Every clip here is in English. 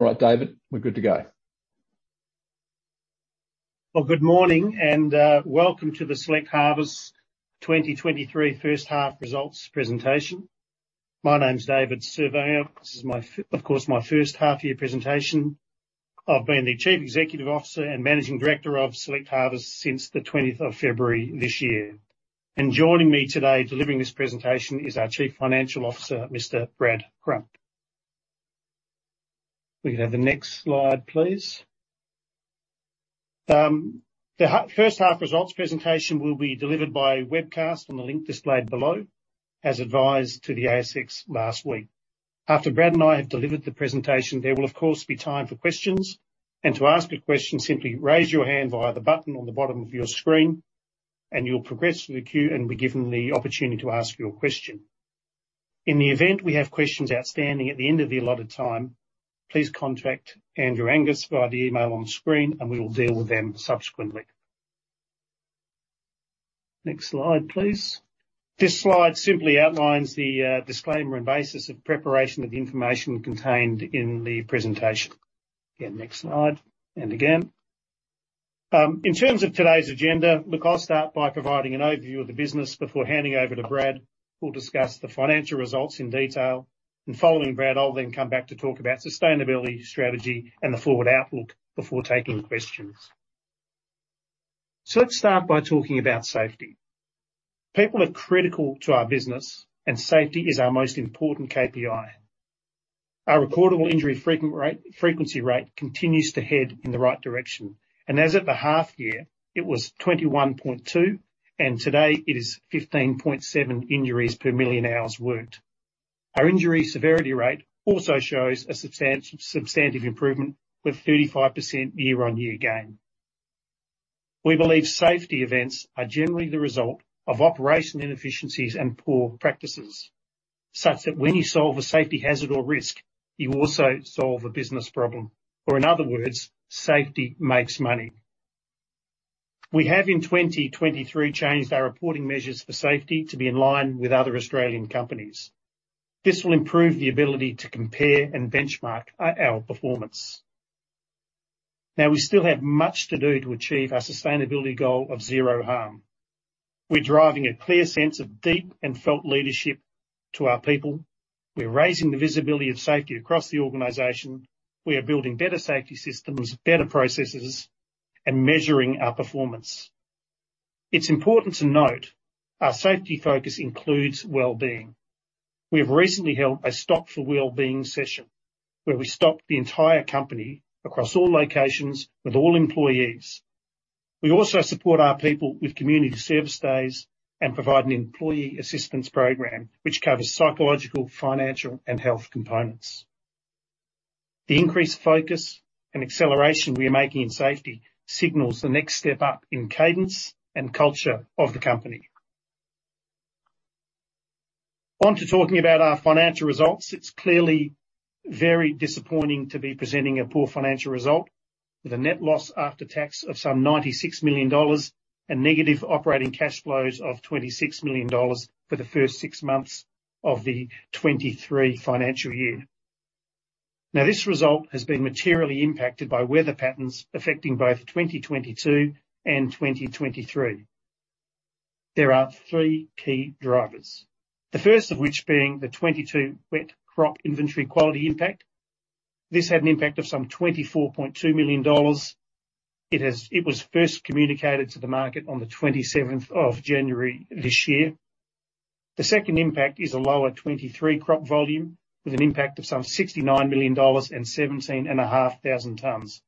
All right, David, we're good to go. Well, good morning, welcome to the Select Harvests 2023 H1 results presentation. My name's David Surveyor. This is of course, my H1 year presentation. I've been the Chief Executive Officer and Managing Director of Select Harvests since the 20th of February this year. Joining me today, delivering this presentation, is our Chief Financial Officer, Mr. Brad Crump. We can have the next slide, please. The first half results presentation will be delivered by webcast on the link displayed below, as advised to the ASX last week. After Brad and I have delivered the presentation, there will of course, be time for questions, and to ask a question, simply raise your hand via the button on the bottom of your screen, and you'll progress through the queue and be given the opportunity to ask your question. In the event we have questions outstanding at the end of the allotted time, please contact Andrew Angus via the email on screen, and we will deal with them subsequently. Next slide, please. This slide simply outlines the disclaimer and basis of preparation of the information contained in the presentation. Again, next slide, and again. In terms of today's agenda, look, I'll start by providing an overview of the business before handing over to Brad, who'll discuss the financial results in detail, and following Brad, I'll then come back to talk about sustainability, strategy, and the forward outlook before taking questions. Let's start by talking about safety. People are critical to our business, and safety is our most important KPI. Our recordable injury frequency rate continues to head in the right direction. As of the half year, it was 21.2, and today it is 15.7 injuries per million hours worked. Our injury severity rate also shows a substantive improvement, with 35% year-on-year gain. We believe safety events are generally the result of operation inefficiencies and poor practices, such that when you solve a safety hazard or risk, you also solve a business problem, or in other words, safety makes money. We have, in 2023, changed our reporting measures for safety to be in line with other Australian companies. This will improve the ability to compare and benchmark our performance. We still have much to do to achieve our sustainability goal of zero harm. We're driving a clear sense of deep and felt leadership to our people. We're raising the visibility of safety across the organization. We are building better safety systems, better processes, and measuring our performance. It's important to note, our safety focus includes wellbeing. We have recently held a Stop for Wellbeing session, where we stopped the entire company across all locations with all employees. We also support our people with community service days and provide an employee assistance program, which covers psychological, financial, and health components. The increased focus and acceleration we are making in safety signals the next step up in cadence and culture of the company. Talking about our financial results. It's clearly very disappointing to be presenting a poor financial result with a net loss after tax of some 96 million dollars and negative operating cash flows of 26 million dollars for the first six months of the 2023 financial year. This result has been materially impacted by weather patterns affecting both 2022 and 2023. There are three key drivers, the first of which being the 2022 wet crop inventory quality impact. This had an impact of some 24.2 million dollars. It was first communicated to the market on the 27th of January this year. The second impact is a lower 2023 crop volume, with an impact of some 69 million dollars and 17,500 tons.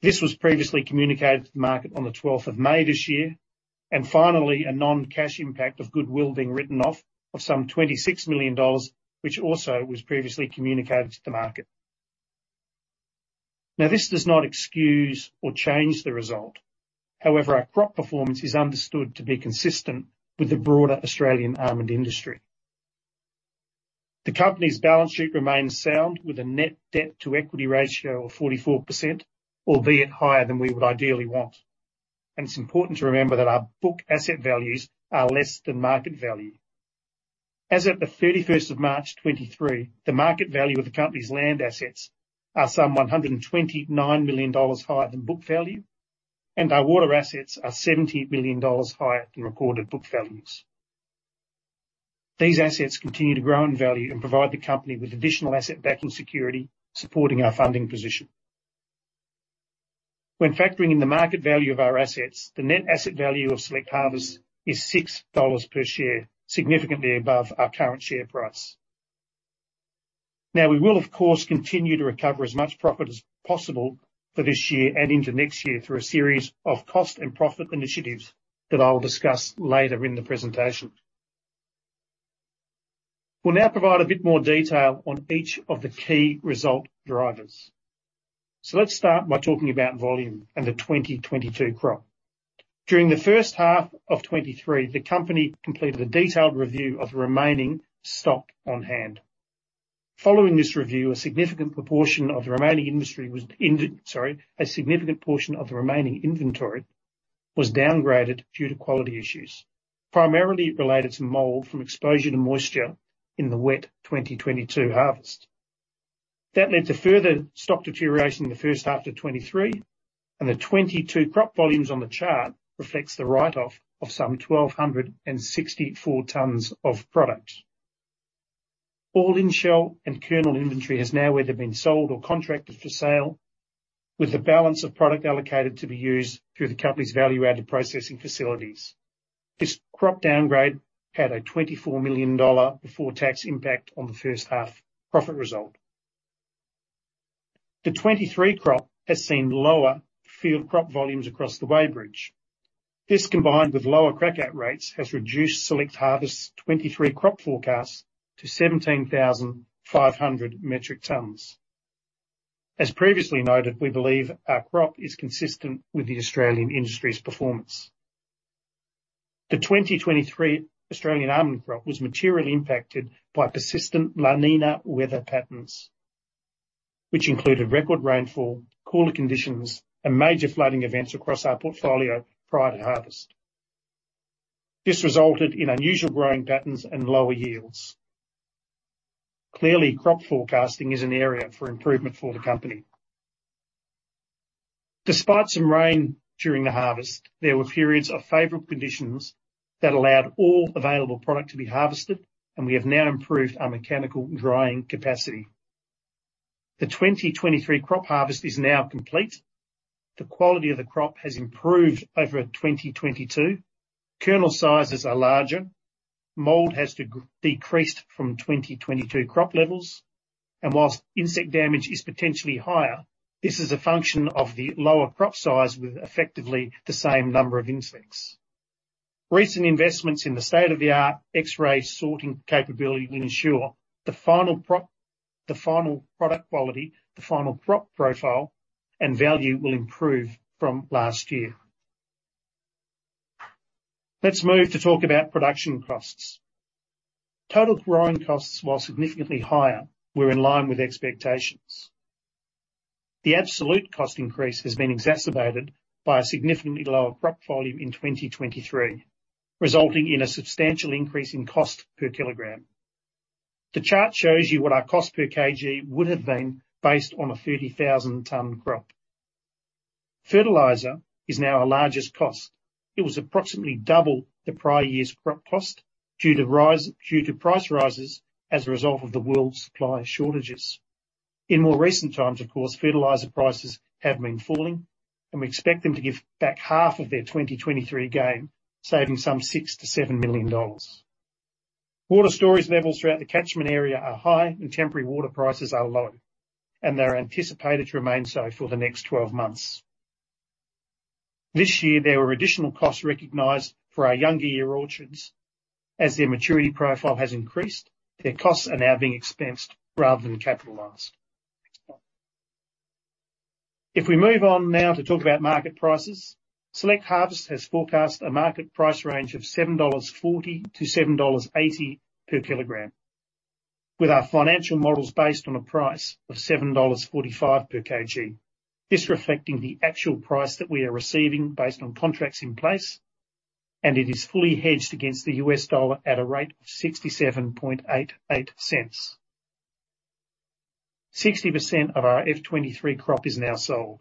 This was previously communicated to the market on the 12th of May this year. Finally, a non-cash impact of goodwill being written off of some 26 million dollars, which also was previously communicated to the market. This does not excuse or change the result. However, our crop performance is understood to be consistent with the broader Australian almond industry. The company's balance sheet remains sound, with a net debt to equity ratio of 44%, albeit higher than we would ideally want. It's important to remember that our book asset values are less than market value. As at the 31st of March, 2023, the market value of the company's land assets are some 129 million dollars higher than book value, and our water assets are 70 million dollars higher than recorded book values. These assets continue to grow in value and provide the company with additional asset-backed security, supporting our funding position. When factoring in the market value of our assets, the net asset value of Select Harvests is 6 dollars per share, significantly above our current share price. We will, of course, continue to recover as much profit as possible for this year and into next year through a series of cost and profit initiatives that I will discuss later in the presentation. We'll now provide a bit more detail on each of the key result drivers. Let's start by talking about volume and the 2022 crop. During the first half of 2023, the company completed a detailed review of the remaining stock on hand. Following this review, Sorry, a significant portion of the remaining inventory was downgraded due to quality issues, primarily related to mold from exposure to moisture in the wet 2022 harvest. That led to further stock deterioration in the first half to 23. The 22 crop volumes on the chart reflects the write-off of some 1,264 tons of product. All in-shell and kernel inventory has now either been sold or contracted for sale, with the balance of product allocated to be used through the company's value-added processing facilities. This crop downgrade had an 24 million dollar before tax impact on the first half profit result. The 23 crop has seen lower field crop volumes across the Wemen. This, combined with lower crack-out rates, has reduced Select Harvests' 23 crop forecast to 17,500 metric tons. As previously noted, we believe our crop is consistent with the Australian industry's performance. The 2023 Australian almond crop was materially impacted by persistent La Niña weather patterns, which included record rainfall, cooler conditions, and major flooding events across our portfolio prior to harvest. This resulted in unusual growing patterns and lower yields. Clearly, crop forecasting is an area for improvement for the company. Despite some rain during the harvest, there were periods of favorable conditions that allowed all available product to be harvested, and we have now improved our mechanical drying capacity. The 2023 crop harvest is now complete. The quality of the crop has improved over 2022. Kernel sizes are larger, mold has decreased from 2022 crop levels, and whilst insect damage is potentially higher, this is a function of the lower crop size with effectively the same number of insects. Recent investments in the state-of-the-art X-ray sorting capability will ensure the final product quality, the final crop profile and value will improve from last year. Let's move to talk about production costs. Total growing costs, while significantly higher, were in line with expectations. The absolute cost increase has been exacerbated by a significantly lower crop volume in 2023, resulting in a substantial increase in cost per kilogram. The chart shows you what our cost per kg would have been based on a 30,000 ton crop. Fertilizer is now our largest cost. It was approximately double the prior year's crop cost due to price rises as a result of the world's supply shortages. In more recent times, of course, fertilizer prices have been falling, and we expect them to give back half of their 2023 gain, saving some 6 million-7 million dollars. Water storage levels throughout the catchment area are high, temporary water prices are low, and they're anticipated to remain so for the next 12 months. This year, there were additional costs recognized for our younger year orchards. As their maturity profile has increased, their costs are now being expensed rather than capitalized. If we move on now to talk about market prices, Select Harvests has forecast a market price range of 7.40 dollars per kilogram-AUD 7.80 per kilogram, with our financial models based on a price of 7.45 dollars per kg. This reflecting the actual price that we are receiving based on contracts in place, and it is fully hedged against the U.S. dollar at a rate of $0.6788. 60% of our F23 crop is now sold.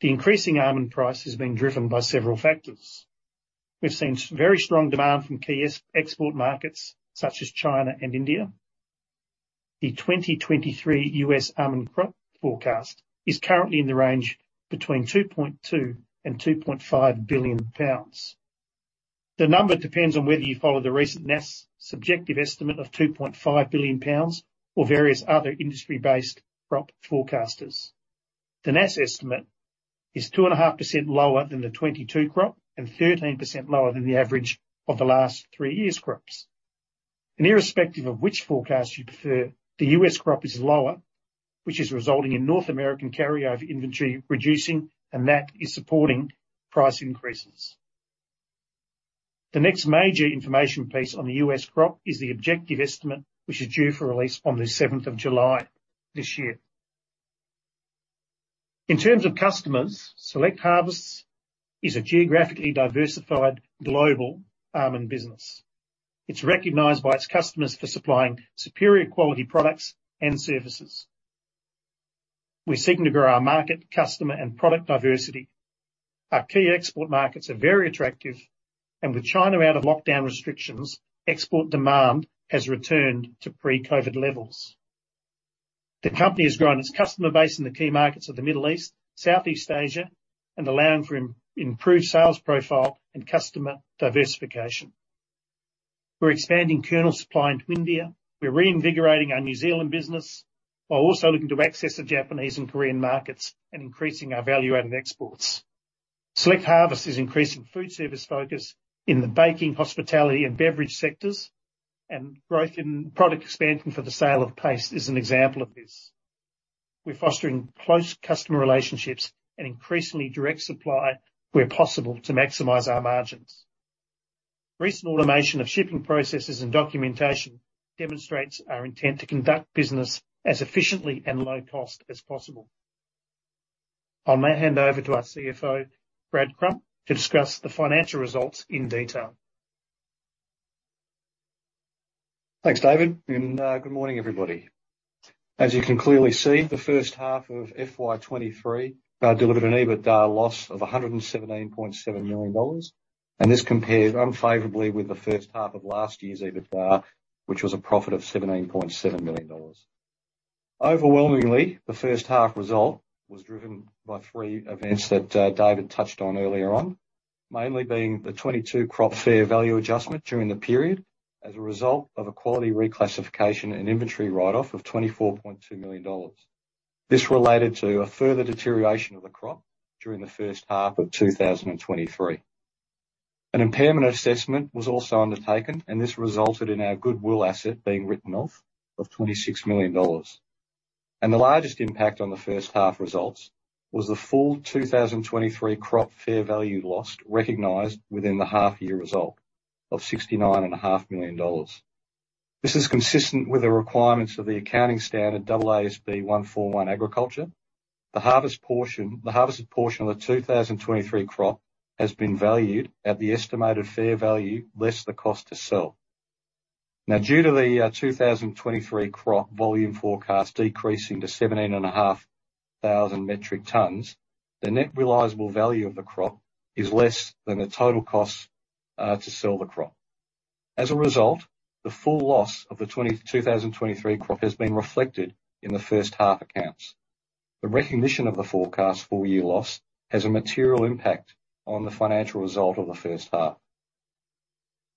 The increasing almond price is being driven by several factors. We've seen very strong demand from key export markets such as China and India. The 2023 U.S. almond crop forecast is currently in the range between 2.2 billion-2.5 billion pounds. The number depends on whether you follow the recent NASS subjective estimate of 2.5 billion pounds or various other industry-based crop forecasters. The NASS estimate is 2.5% lower than the 2022 crop and 13% lower than the average of the last three years' crops. Irrespective of which forecast you prefer, the U.S. crop is lower, which is resulting in North American carryover inventory reducing, and that is supporting price increases. The next major information piece on the U.S. crop is the objective estimate, which is due for release on the seventh of July this year. In terms of customers, Select Harvests is a geographically diversified global almond business. It's recognized by its customers for supplying superior quality products and services. We're seeking to grow our market, customer, and product diversity. Our key export markets are very attractive, and with China out of lockdown restrictions, export demand has returned to pre-COVID levels. The company has grown its customer base in the key markets of the Middle East, Southeast Asia, and allowing for improved sales profile and customer diversification. We're expanding kernel supply into India. We're reinvigorating our New Zealand business while also looking to access the Japanese and Korean markets and increasing our value-added exports. Select Harvests is increasing food service focus in the baking, hospitality, and beverage sectors, and growth in product expansion for the sale of paste is an example of this. We're fostering close customer relationships and increasingly direct supply where possible to maximize our margins. Recent automation of shipping processes and documentation demonstrates our intent to conduct business as efficiently and low cost as possible. I'll now hand over to our CFO, Brad Crump, to discuss the financial results in detail. Thanks, David. Good morning, everybody. As you can clearly see, the first half of FY23 delivered an EBITDA loss of 117.7 million dollars. This compares unfavorably with the first half of last year's EBITDA, which was a profit of 17.7 million dollars. Overwhelmingly, the first half result was driven by three events that David touched on earlier on, mainly being the 2022 crop fair value adjustment during the period as a result of a quality reclassification and inventory write-off of 24.2 million dollars. This related to a further deterioration of the crop during the first half of 2023. An impairment assessment was also undertaken. This resulted in our goodwill asset being written off of 26 million dollars. The largest impact on the first half results was the full 2023 crop fair value lost, recognized within the half year result of 69.5 million dollars. This is consistent with the requirements of the accounting standard AASB 141 Agriculture. The harvested portion of the 2023 crop has been valued at the estimated fair value, less the cost to sell. Now, due to the 2023 crop volume forecast decreasing to 17,500 metric tons, the net realizable value of the crop is less than the total cost to sell the crop. As a result, the full loss of the 2023 crop has been reflected in the first half accounts. The recognition of the forecast full year loss has a material impact on the financial result of the first half.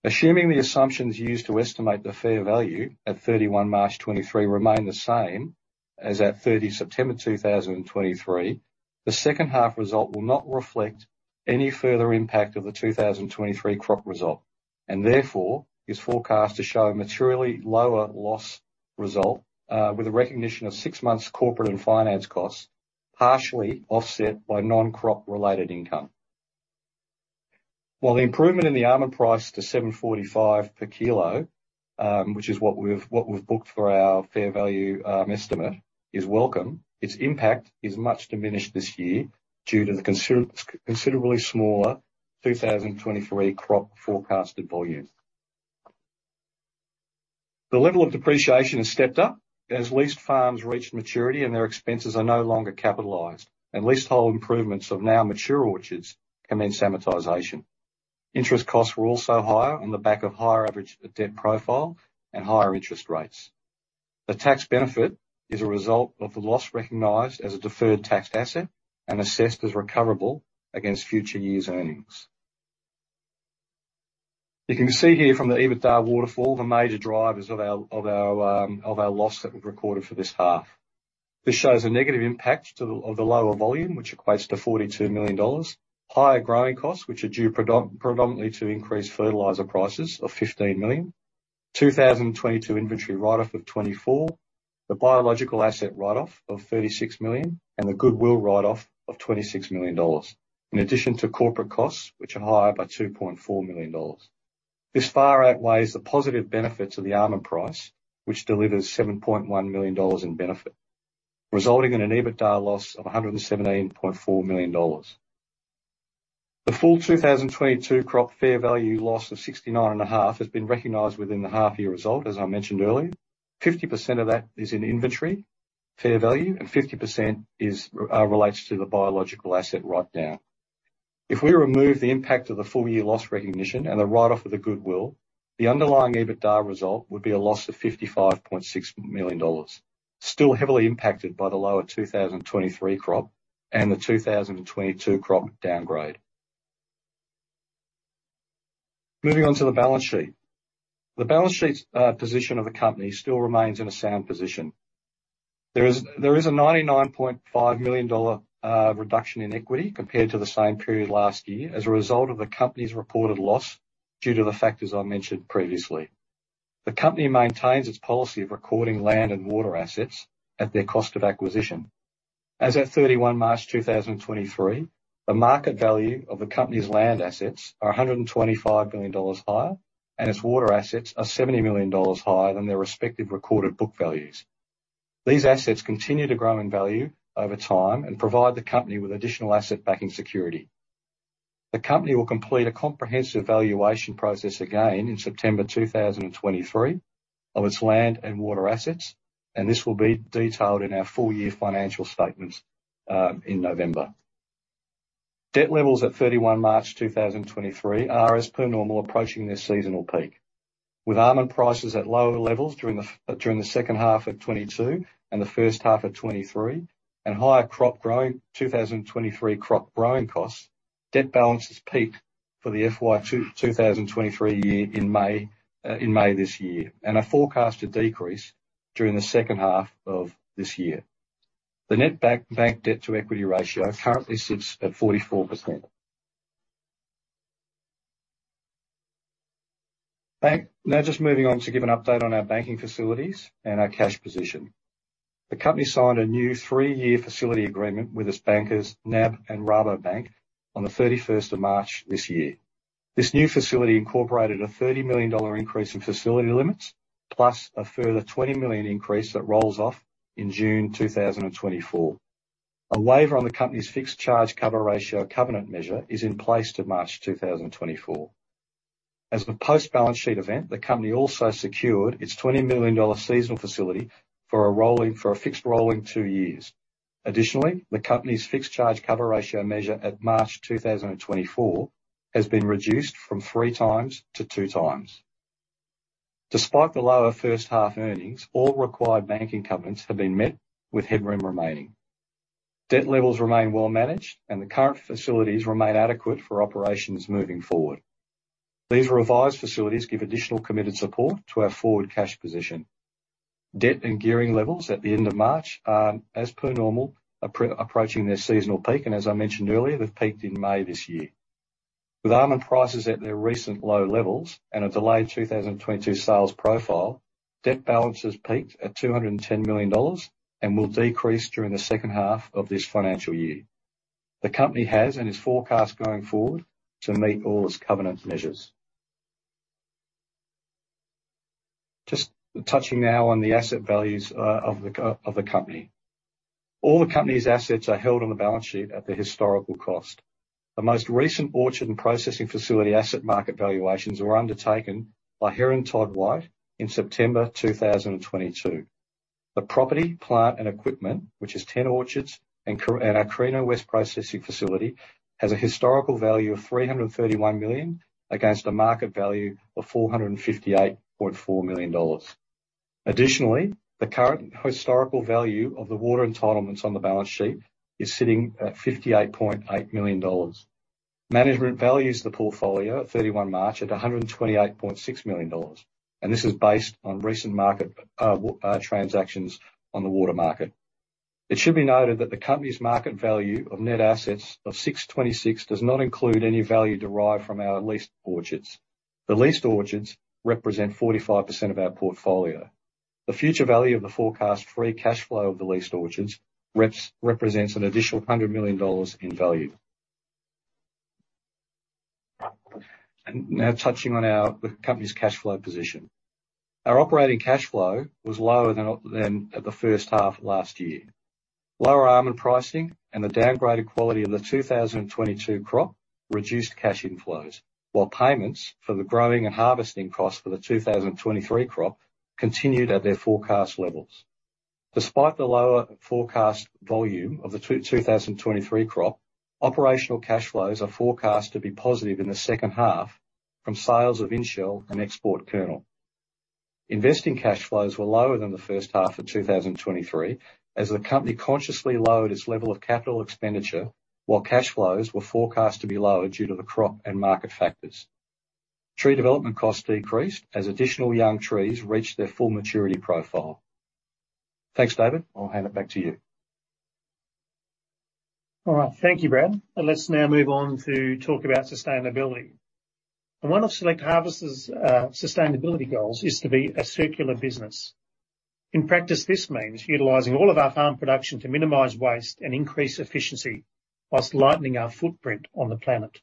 Assuming the assumptions used to estimate the fair value at March 31, 2023 remain the same as at September 30, 2023, the second half result will not reflect any further impact of the 2023 crop result, and therefore is forecast to show a materially lower loss result, with a recognition of six months corporate and finance costs, partially offset by non-crop related income. While the improvement in the almond price to 7.45 per kilo, which is what we've booked for our fair value estimate, is welcome, its impact is much diminished this year due to the considerably smaller 2023 crop forecasted volume. The level of depreciation has stepped up as leased farms reach maturity and their expenses are no longer capitalized, and leasehold improvements of now mature orchards commence amortization. Interest costs were also higher on the back of higher average debt profile and higher interest rates. The tax benefit is a result of the loss recognized as a deferred tax asset and assessed as recoverable against future years' earnings. You can see here from the EBITDA waterfall, the major drivers of our loss that we've recorded for this half. This shows a negative impact of the lower volume, which equates to 42 million dollars, higher growing costs, which are due predominantly to increased fertilizer prices of 15 million, 2022 inventory write-off of 24 million, the biological asset write-off of 36 million, and the goodwill write-off of 26 million dollars, in addition to corporate costs, which are higher by 2.4 million dollars. This far outweighs the positive benefits of the almond price, which delivers 7.1 million dollars in benefit, resulting in an EBITDA loss of 117.4 million dollars. The full 2022 crop fair value loss of 69.5 million has been recognized within the half year result as I mentioned earlier. 50% of that is in inventory, fair value, and 50% relates to the biological asset write down. If we remove the impact of the full year loss recognition and the write-off of the goodwill, the underlying EBITDA result would be a loss of 55.6 million dollars, still heavily impacted by the lower 2023 crop and the 2022 crop downgrade. Moving on to the balance sheet. The balance sheet position of the company still remains in a sound position. There is a 99.5 million dollar reduction in equity compared to the same period last year as a result of the company's reported loss due to the factors I mentioned previously. The company maintains its policy of recording land and water assets at their cost of acquisition. As at March 31, 2023, the market value of the company's land assets are $125 million higher, and its water assets are $70 million higher than their respective recorded book values. These assets continue to grow in value over time and provide the company with additional asset-backing security. The company will complete a comprehensive valuation process again in September 2023 of its land and water assets, and this will be detailed in our full year financial statements in November. Debt levels at March 31, 2023, are, as per normal, approaching their seasonal peak. With almond prices at lower levels during the second half of 2022 and the first half of 2023, and higher 2023 crop growing costs, debt balances peaked for the FY 2023 year in May this year, and are forecast to decrease during the second half of this year. The net debt to equity ratio currently sits at 44%. Now just moving on to give an update on our banking facilities and our cash position. The company signed a new 3-year facility agreement with its bankers, NAB and Rabobank, on the 31st of March this year. This new facility incorporated an 30 million dollar increase in facility limits, plus a further 20 million increase that rolls off in June 2024. A waiver on the company's fixed charge cover ratio covenant measure is in place to March 2024. As the post-balance sheet event, the company also secured its 20 million dollar seasonal facility for a fixed rolling two years. Additionally, the company's fixed charge cover ratio measure at March 2024 has been reduced from three times to two times. Despite the lower first half earnings, all required banking covenants have been met with headroom remaining. Debt levels remain well managed, and the current facilities remain adequate for operations moving forward. These revised facilities give additional committed support to our forward cash position. Debt and gearing levels at the end of March are, as per normal, approaching their seasonal peak, and as I mentioned earlier, they've peaked in May this year. With almond prices at their recent low levels and a delayed 2022 sales profile, debt balances peaked at 210 million dollars and will decrease during the second half of this financial year. The company has and is forecast going forward to meet all its covenant measures. Just touching now on the asset values of the company. All the company's assets are held on the balance sheet at the historical cost. The most recent orchard and processing facility asset market valuations were undertaken by Herron Todd White in September 2022. The property, plant, and equipment, which is 10 orchards and our Carina West processing facility, has a historical value of 331 million against a market value of 458.4 million dollars. Additionally, the current historical value of the water entitlements on the balance sheet is sitting at AUD 58.8 million. Management values the portfolio at 31 March at AUD 128.6 million. This is based on recent market transactions on the water market. It should be noted that the company's market value of net assets of 626 million does not include any value derived from our leased orchards. The leased orchards represent 45% of our portfolio. The future value of the forecast free cash flow of the leased orchards represents an additional 100 million dollars in value. Now touching on the company's cash flow position. Our operating cash flow was lower than at the H1 of last year. Lower almond pricing and the downgraded quality of the 2022 crop reduced cash inflows, while payments for the growing and harvesting costs for the 2023 crop continued at their forecast levels. Despite the lower forecast volume of the 2023 crop, operational cash flows are forecast to be positive in the second half from sales of in-shell and export kernel. Investing cash flows were lower than the first half of 2023, as the company consciously lowered its level of CapEx, while cash flows were forecast to be lower due to the crop and market factors. Tree development costs decreased as additional young trees reached their full maturity profile. Thanks, David. I'll hand it back to you. All right. Thank you, Brad. Let's now move on to talk about sustainability. One of Select Harvests' sustainability goals is to be a circular business. In practice, this means utilizing all of our farm production to minimize waste and increase efficiency whilst lightening our footprint on the planet.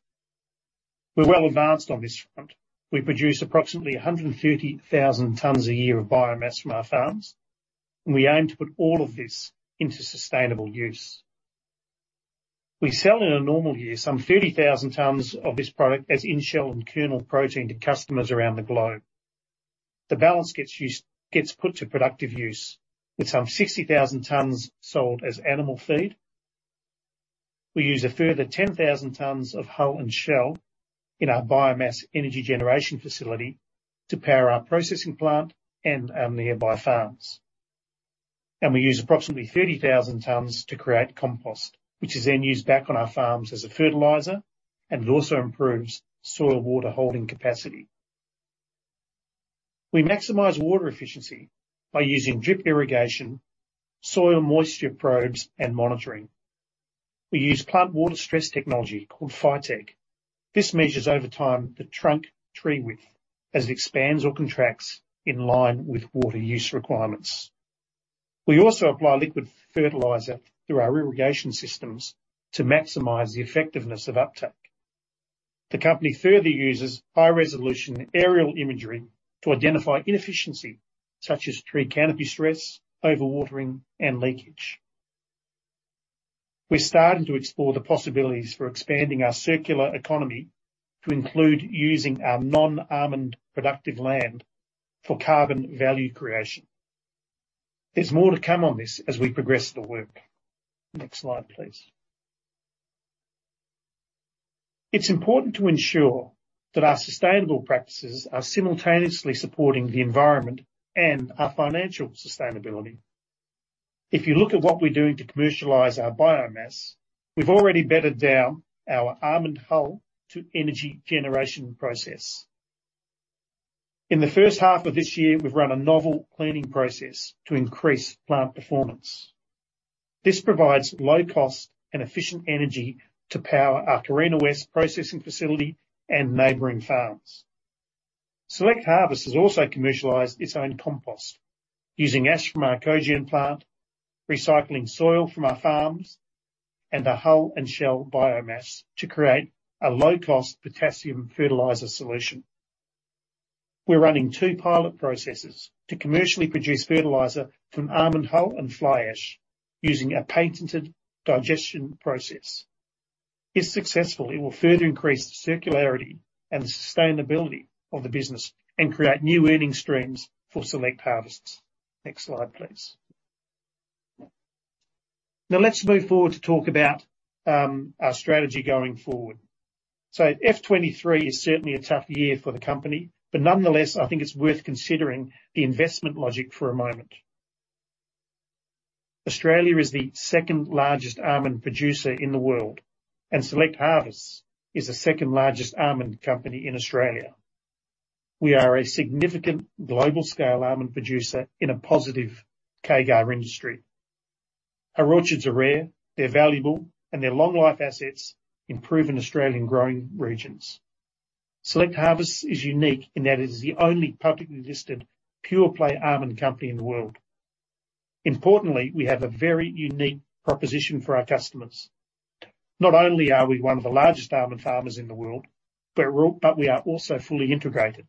We're well advanced on this front. We produce approximately 130,000 tons a year of biomass from our farms, and we aim to put all of this into sustainable use. We sell, in a normal year, some 30,000 tons of this product as in-shell and kernel protein to customers around the globe. The balance gets put to productive use, with some 60,000 tons sold as animal feed. We use a further 10,000 tons of hull and shell in our biomass energy generation facility to power our processing plant and our nearby farms. We use approximately 30,000 tons to create compost, which is then used back on our farms as a fertilizer, and it also improves soil water holding capacity. We maximize water efficiency by using drip irrigation, soil moisture probes, and monitoring. We use plant water stress technology called Phytech. This measures over time the trunk tree width as it expands or contracts in line with water use requirements. We also apply liquid fertilizer through our irrigation systems to maximize the effectiveness of uptake. The company further uses high-resolution aerial imagery to identify inefficiency, such as tree canopy stress, overwatering, and leakage. We're starting to explore the possibilities for expanding our circular economy to include using our non-almond productive land for carbon value creation. There's more to come on this as we progress the work. Next slide, please. It's important to ensure that our sustainable practices are simultaneously supporting the environment and our financial sustainability. If you look at what we're doing to commercialize our biomass, we've already bedded down our almond hull to energy generation process. In the first half of this year, we've run a novel cleaning process to increase plant performance. This provides low-cost and efficient energy to power our Carina West processing facility and neighboring farms. Select Harvests has also commercialized its own compost using ash from our cogen plant, recycling soil from our farms, and a hull and shell biomass to create a low-cost potassium fertilizer solution. We're running two pilot processes to commercially produce fertilizer from almond hull and fly ash using a patented digestion process. If successful, it will further increase the circularity and sustainability of the business and create new earning streams for Select Harvests. Next slide, please. Let's move forward to talk about our strategy going forward. F23 is certainly a tough year for the company, but nonetheless, I think it's worth considering the investment logic for a moment. Australia is the second largest almond producer in the world, and Select Harvests is the second largest almond company in Australia. We are a significant global scale almond producer in a positive CAGR industry. Our orchards are rare, they're valuable, and they're long life assets in proven Australian growing regions. Select Harvests is unique in that it is the only publicly listed pure play almond company in the world. Importantly, we have a very unique proposition for our customers. Not only are we one of the largest almond farmers in the world, but we are also fully integrated,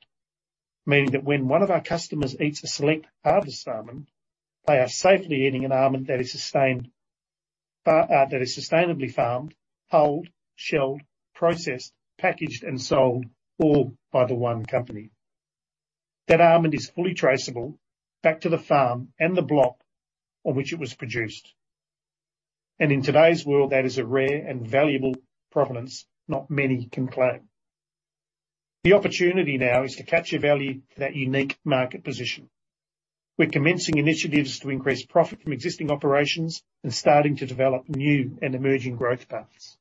meaning that when one of our customers eats a Select Harvests almond, they are safely eating an almond that is sustained, that is sustainably farmed, hulled, shelled, processed, packaged, and sold, all by the one company. That almond is fully traceable back to the farm and the block on which it was produced, and in today's world, that is a rare and valuable provenance not many can claim. The opportunity now is to capture value to that unique market position. We're commencing initiatives to increase profit from existing operations and starting to develop new and emerging growth paths.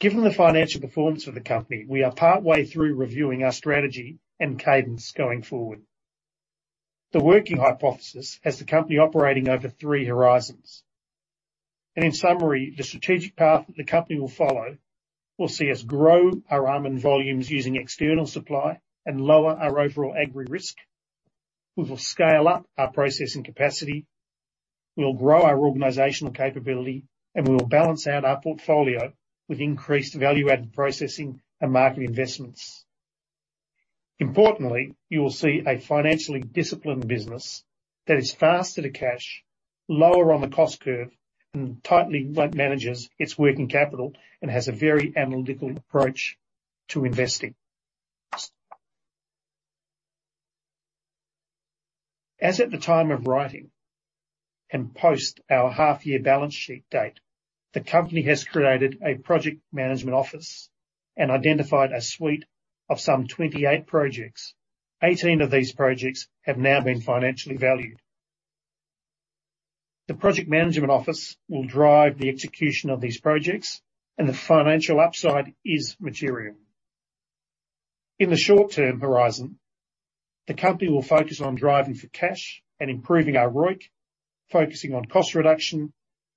Given the financial performance of the company, we are partway through reviewing our strategy and cadence going forward. The working hypothesis has the company operating over three horizons, and in summary, the strategic path that the company will follow will see us grow our almond volumes using external supply and lower our overall agri risk. We will scale up our processing capacity, we'll grow our organizational capability, and we will balance out our portfolio with increased value-added processing and market investments. Importantly, you will see a financially disciplined business that is faster to cash, lower on the cost curve, and tightly run, manages its working capital, and has a very analytical approach to investing. As at the time of writing and post our half year balance sheet date, the company has created a project management office and identified a suite of some 28 projects. 18 of these projects have now been financially valued. The project management office will drive the execution of these projects, and the financial upside is material. In the short-term horizon, the company will focus on driving for cash and improving our ROIC, focusing on cost reduction,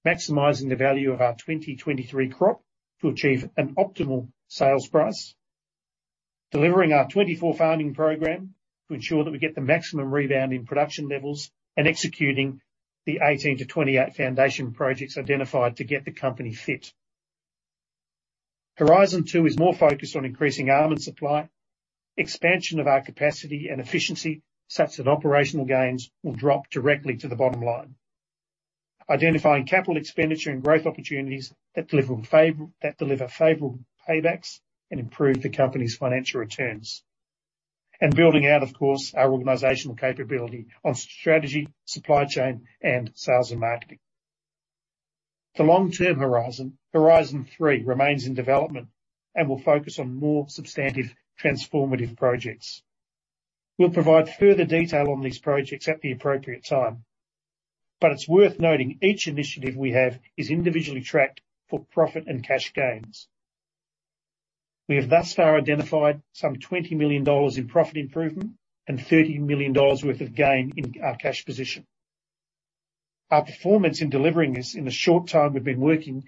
maximizing the value of our 2023 crop to achieve an optimal sales price, delivering our 2024 farming program to ensure that we get the maximum rebound in production levels, and executing the 18-28 foundation projects identified to get the company fit. Horizon two is more focused on increasing almond supply, expansion of our capacity and efficiency, such that operational gains will drop directly to the bottom line. Identifying capital expenditure and growth opportunities that deliver favorable paybacks and improve the company's financial returns. Building out, of course, our organizational capability on strategy, supply chain, and sales and marketing. The long-term horizon three, remains in development and will focus on more substantive transformative projects. We'll provide further detail on these projects at the appropriate time, but it's worth noting each initiative we have is individually tracked for profit and cash gains. We have thus far identified some 20 million dollars in profit improvement and 30 million dollars worth of gain in our cash position. Our performance in delivering this in the short time we've been working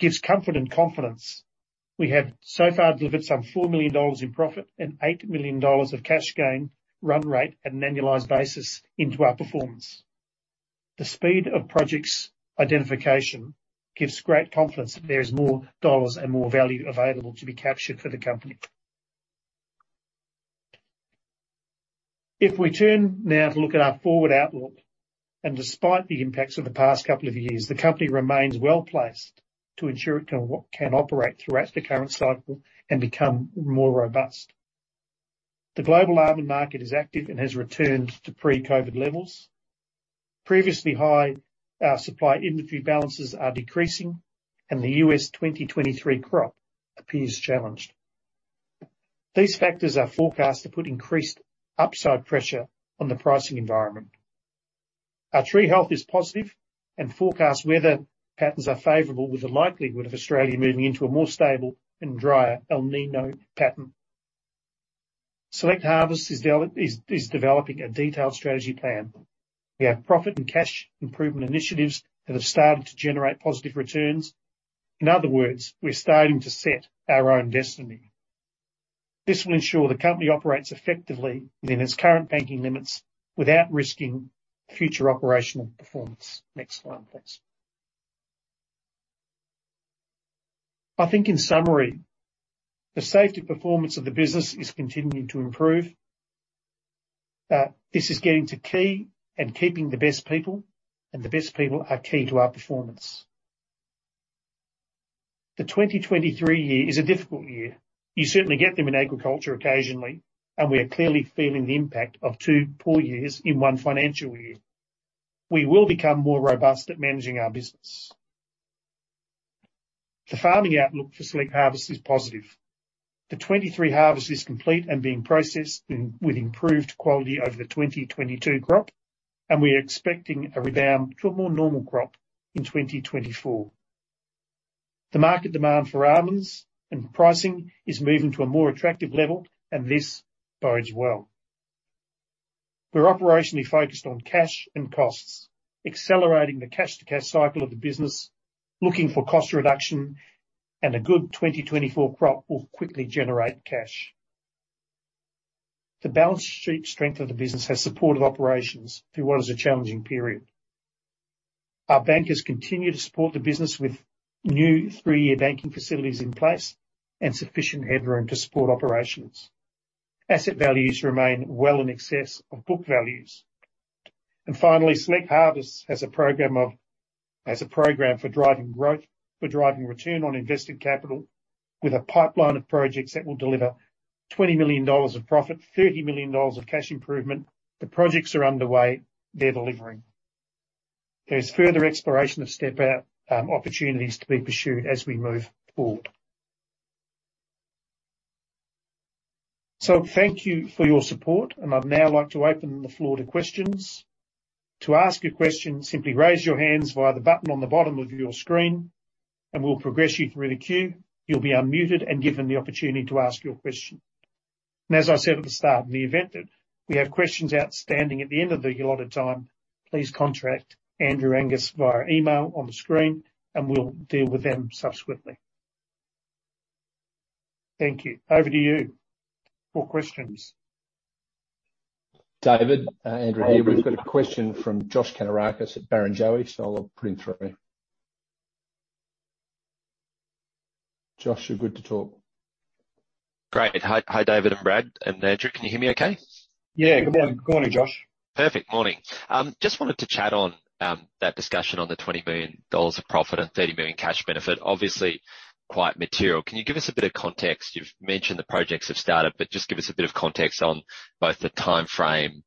gives comfort and confidence. We have so far delivered some 4 million dollars in profit and 8 million dollars of cash gain run rate at an annualized basis into our performance. The speed of projects identification gives great confidence that there is more dollars and more value available to be captured for the company. If we turn now to look at our forward outlook, despite the impacts of the past couple of years, the company remains well-placed to ensure it can operate throughout the current cycle and become more robust. The global almond market is active and has returned to pre-COVID levels. Previously high supply industry balances are decreasing, and the U.S. 2023 crop appears challenged. These factors are forecast to put increased upside pressure on the pricing environment. Our tree health is positive, and forecast weather patterns are favorable, with the likelihood of Australia moving into a more stable and drier El Niño pattern. Select Harvests is developing a detailed strategy plan. We have profit and cash improvement initiatives that have started to generate positive returns. In other words, we're starting to set our own destiny. This will ensure the company operates effectively within its current banking limits without risking future operational performance. Next slide, thanks. I think in summary, the safety performance of the business is continuing to improve. This is getting to key and keeping the best people, and the best people are key to our performance. The 2023 year is a difficult year. You certainly get them in agriculture occasionally, and we are clearly feeling the impact of 2 poor years in one financial year. We will become more robust at managing our business. The farming outlook for Select Harvests is positive. The 2023 harvest is complete and being processed in, with improved quality over the 2022 crop, and we are expecting a rebound to a more normal crop in 2024. The market demand for almonds and pricing is moving to a more attractive level, and this bodes well. We're operationally focused on cash and costs, accelerating the cash to cash cycle of the business, looking for cost reduction. A good 2024 crop will quickly generate cash. The balance sheet strength of the business has supported operations through what is a challenging period. Our bankers continue to support the business with new three-year banking facilities in place and sufficient headroom to support operations. Asset values remain well in excess of book values. Finally, Select Harvests has a program for driving growth, for driving return on invested capital, with a pipeline of projects that will deliver 20 million dollars of profit, 30 million dollars of cash improvement. The projects are underway. They're delivering. There's further exploration of step-out opportunities to be pursued as we move forward. Thank you for your support, and I'd now like to open the floor to questions. To ask a question, simply raise your hands via the button on the bottom of your screen, and we'll progress you through the queue. You'll be unmuted and given the opportunity to ask your question. As I said at the start of the event, if we have questions outstanding at the end of the allotted time, please contact Andrew Angus via email on the screen, and we'll deal with them subsequently. Thank you. Over to you. For questions. David, Andrew here. We've got a question from Josh Kannourakis at Barrenjoey. I'll put him through. Josh, you're good to talk. Great. Hi. Hi, David and Brad and Andrew. Can you hear me okay? Yeah, good morning. Morning, Josh. Perfect, morning. Just wanted to chat on that discussion on the 20 million dollars of profit and 30 million cash benefit, obviously quite material. Can you give us a bit of context? You've mentioned the projects have started, but just give us a bit of context on both the timeframe,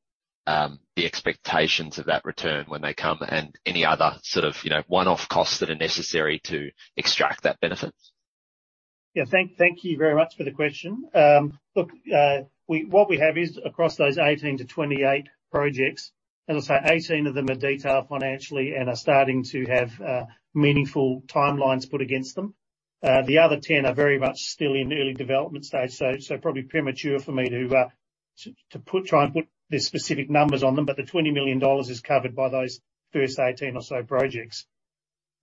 the expectations of that return when they come, and any other sort of, you know, one-off costs that are necessary to extract that benefit. Thank you very much for the question. Look, what we have is, across those 18-28 projects, and I'll say 18 of them are detailed financially and are starting to have meaningful timelines put against them. The other 10 are very much still in the early development stage, so probably premature for me to put, try and put the specific numbers on them, but the 20 million dollars is covered by those first 18 or so projects.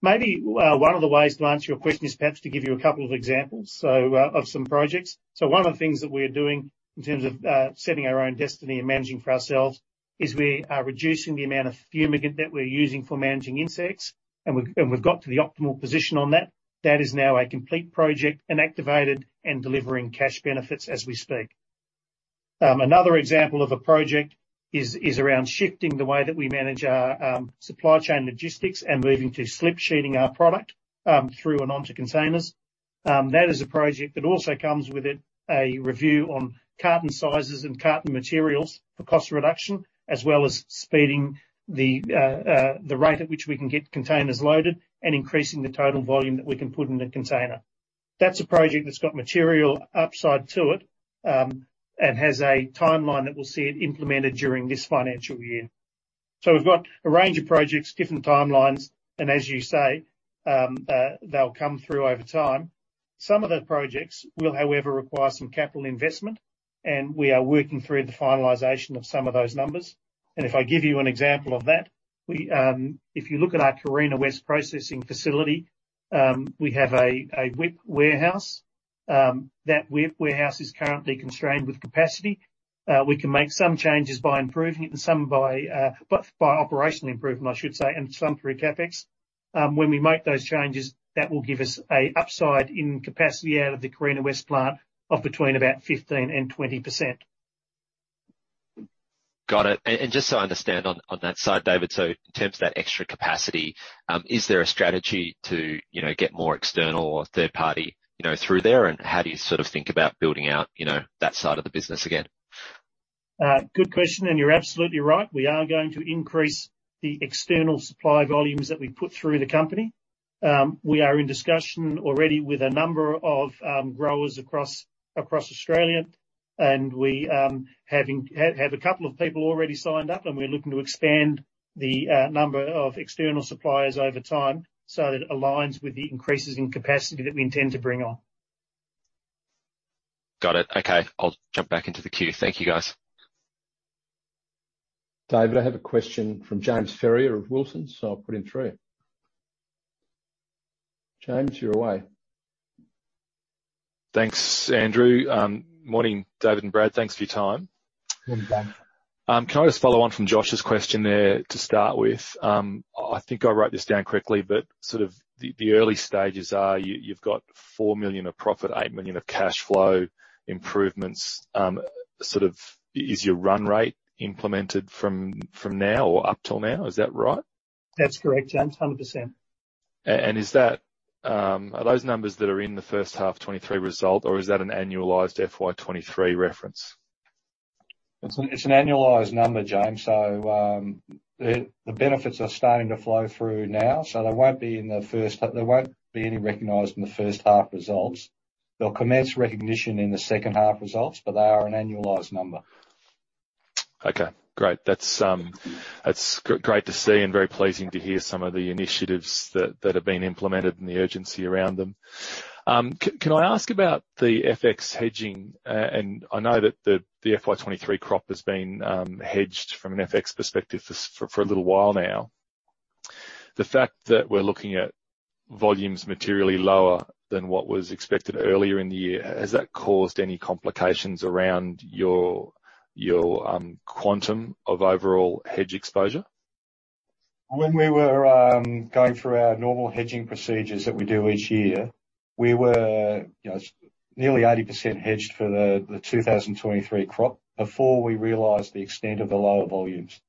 Maybe one of the ways to answer your question is perhaps to give you a couple of examples, of some projects. One of the things that we're doing in terms of setting our own destiny and managing for ourselves is we are reducing the amount of fumigate that we're using for managing insects, and we've got to the optimal position on that. That is now a complete project, and activated, and delivering cash benefits as we speak. Another example of a project is around shifting the way that we manage our supply chain logistics and moving to slip sheeting our product through and onto containers. That is a project that also comes with it a review on carton sizes and carton materials for cost reduction, as well as speeding the rate at which we can get containers loaded and increasing the total volume that we can put in the container. That's a project that's got material upside to it, and has a timeline that will see it implemented during this financial year. We've got a range of projects, different timelines, and as you say, they'll come through over time. Some of the projects will, however, require some capital investment, and we are working through the finalization of some of those numbers. If I give you an example of that, we, if you look at our Carina West processing facility, we have a WIP warehouse. That WIP warehouse is currently constrained with capacity. We can make some changes by improving it and some by both operational improvement, I should say, and some through CapEx. When we make those changes, that will give us a upside in capacity out of the Carina West plant of between about 15% and 20%. Got it. Just so I understand on that side, David, in terms of that extra capacity, is there a strategy to, you know, get more external or third party, you know, through there? How do you sort of think about building out, you know, that side of the business again? Good question. You're absolutely right. We are going to increase the external supply volumes that we put through the company. We are in discussion already with a number of growers across Australia, and we have a couple of people already signed up, and we're looking to expand the number of external suppliers over time so that it aligns with the increases in capacity that we intend to bring on. Got it. Okay, I'll jump back into the queue. Thank you, guys. David, I have a question from James Ferrier of Wilsons, so I'll put him through. James, you're away. Thanks, Andrew. Morning, David and Brad. Thanks for your time. Morning, James. Can I just follow on from Josh's question there to start with? I think I wrote this down quickly, sort of the early stages are you've got 4 million of profit, 8 million of cash flow improvements. Sort of, is your run rate implemented from now or up till now? Is that right? That's correct, James. 100%. Is that, are those numbers that are in the H1 2023 result, or is that an annualized FY23 reference? It's an annualized number, James. The benefits are starting to flow through now. There won't be any recognized in the first half results. They'll commence recognition in the second half results. They are an annualized number. Okay, great. That's great to see and very pleasing to hear some of the initiatives that have been implemented and the urgency around them. Can I ask about the FX hedging? I know that the FY23 crop has been hedged from an FX perspective for a little while now. The fact that we're looking at volumes materially lower than what was expected earlier in the year, has that caused any complications around your quantum of overall hedge exposure? When we were going through our normal hedging procedures that we do each year, we were, you know, nearly 80% hedged for the 2023 crop before we realized the extent of the lower volumes.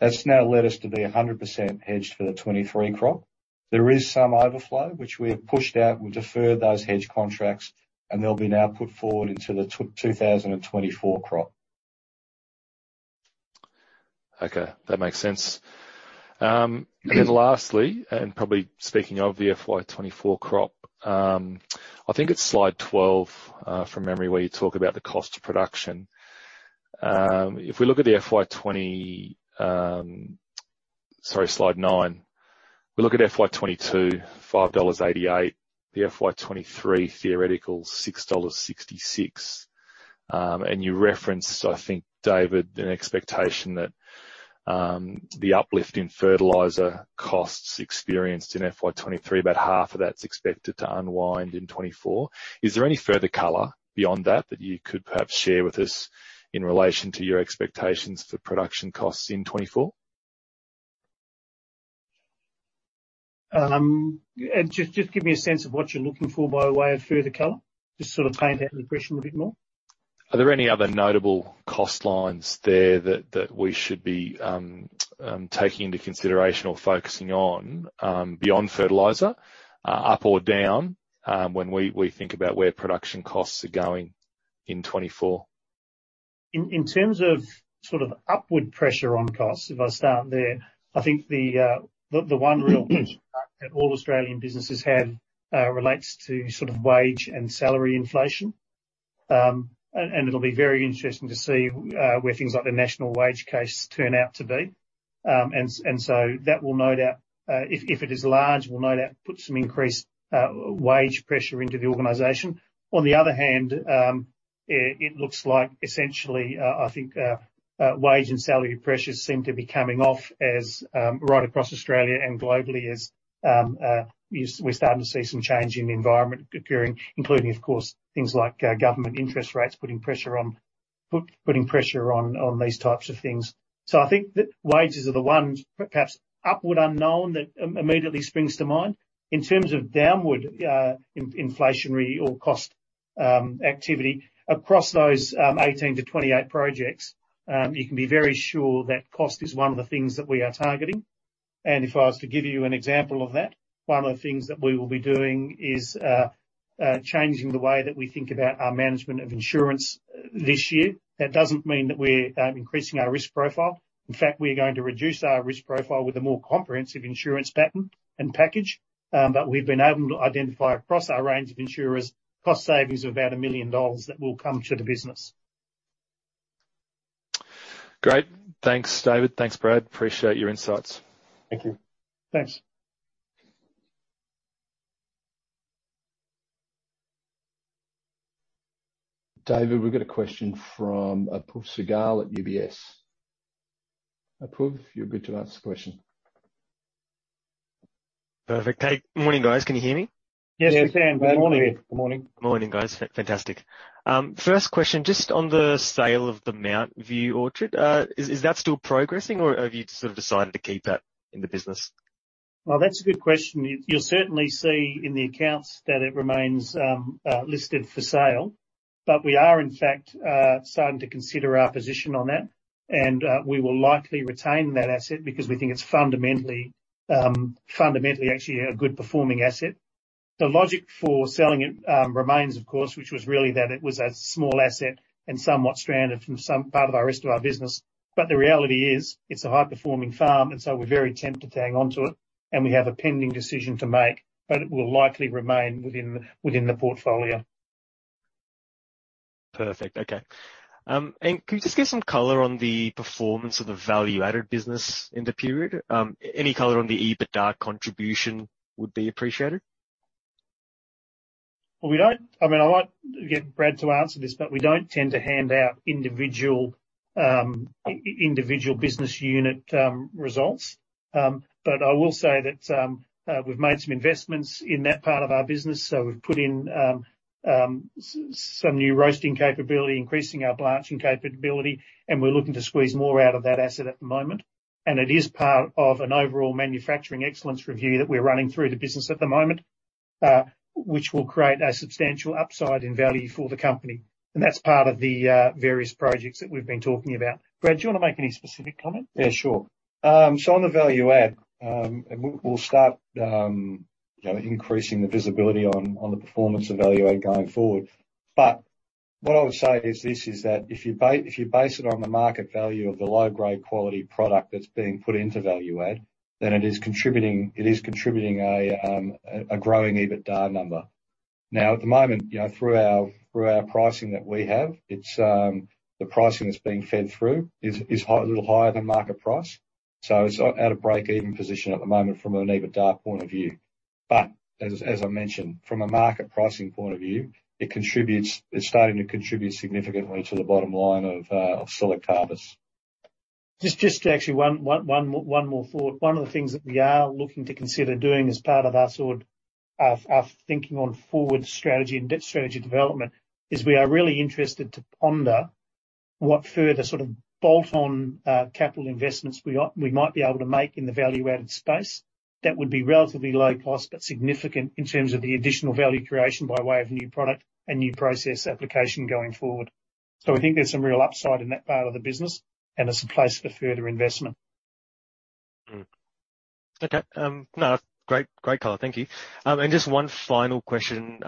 That's now led us to be 100% hedged for the 23 crop. There is some overflow, which we have pushed out. We deferred those hedge contracts, and they'll be now put forward into the 2024 crop. Okay, that makes sense. Mm-hmm. Lastly, and probably speaking of the FY 2024 crop, I think it's slide 12, from memory, where you talk about the cost of production. If we look at the FY 20. Sorry, slide 9. We look at FY 2022, AUD 5.88, the FY 2023 theoretical AUD 6.66. You referenced, I think, David, an expectation that the uplift in fertilizer costs experienced in FY 2023, about half of that's expected to unwind in 2024. Is there any further color beyond that you could perhaps share with us in relation to your expectations for production costs in 2024? Just give me a sense of what you're looking for by way of further color. Just sort of paint that impression a bit more. Are there any other notable cost lines there that we should be taking into consideration or focusing on beyond fertilizer up or down when we think about where production costs are going in 2024? In terms of sort of upward pressure on costs, if I start there, I think the one real that all Australian businesses have, relates to sort of wage and salary inflation. It'll be very interesting to see where things like the national wage case turn out to be. That will no doubt, if it is large, will no doubt put some increased wage pressure into the organization. On the other hand, it looks like essentially, I think, wage and salary pressures seem to be coming off as right across Australia and globally as we're starting to see some change in the environment occurring, including, of course, things like government interest rates, putting pressure on these types of things. I think that wages are the one perhaps upward unknown that immediately springs to mind. In terms of downward, inflationary or cost activity, across those 18-28 projects, you can be very sure that cost is one of the things that we are targeting. If I was to give you an example of that, one of the things that we will be doing is changing the way that we think about our management of insurance this year. That doesn't mean that we're increasing our risk profile. In fact, we are going to reduce our risk profile with a more comprehensive insurance pattern and package. We've been able to identify across our range of insurers, cost savings of about 1 million dollars that will come to the business. Great. Thanks, David. Thanks, Brad. Appreciate your insights. Thank you. Thanks. David, we've got a question from Apoorv Sehgal at UBS. Apoorv, you're good to ask the question. Perfect. Hey, good morning, guys. Can you hear me? Yes, we can. Good morning. Good morning. Morning, guys. Fantastic. First question, just on the sale of the Mountview orchard, is that still progressing or have you sort of decided to keep that in the business? That's a good question. You'll certainly see in the accounts that it remains listed for sale. We are in fact starting to consider our position on that. We will likely retain that asset because we think it's fundamentally actually a good performing asset. The logic for selling it remains, of course, which was really that it was a small asset and somewhat stranded from some part of our rest of our business. The reality is, it's a high-performing farm. We're very tempted to hang on to it, and we have a pending decision to make. It will likely remain within the portfolio. Perfect. Okay.... Can you just give some color on the performance of the value-added business in the period? Any color on the EBITDA contribution would be appreciated. Well, I mean, I'd like to get Brad to answer this, but we don't tend to hand out individual business unit results. I will say that we've made some investments in that part of our business. We've put in some new roasting capability, increasing our blanching capability, and we're looking to squeeze more out of that asset at the moment. It is part of an overall manufacturing excellence review that we're running through the business at the moment, which will create a substantial upside in value for the company. That's part of the various projects that we've been talking about. Brad, do you want to make any specific comment? On the value add, we'll start, you know, increasing the visibility on the performance of value add going forward. What I would say is this, is that if you base it on the market value of the low-grade quality product that's being put into value add, then it is contributing a growing EBITDA number. At the moment, you know, through our pricing that we have, it's the pricing that's being fed through is high, a little higher than market price, it's at a break-even position at the moment from an EBITDA point of view. As I mentioned, from a market pricing point of view, it's starting to contribute significantly to the bottom line of Select Harvests. Actually one more thought. One of the things that we are looking to consider doing as part of our thinking on forward strategy and debt strategy development, is we are really interested to ponder what further sort of bolt-on capital investments we might be able to make in the value-added space that would be relatively low cost, but significant in terms of the additional value creation by way of new product and new process application going forward. We think there's some real upside in that part of the business, and there's some place for further investment. Okay, no, great color. Thank you. Just one final question,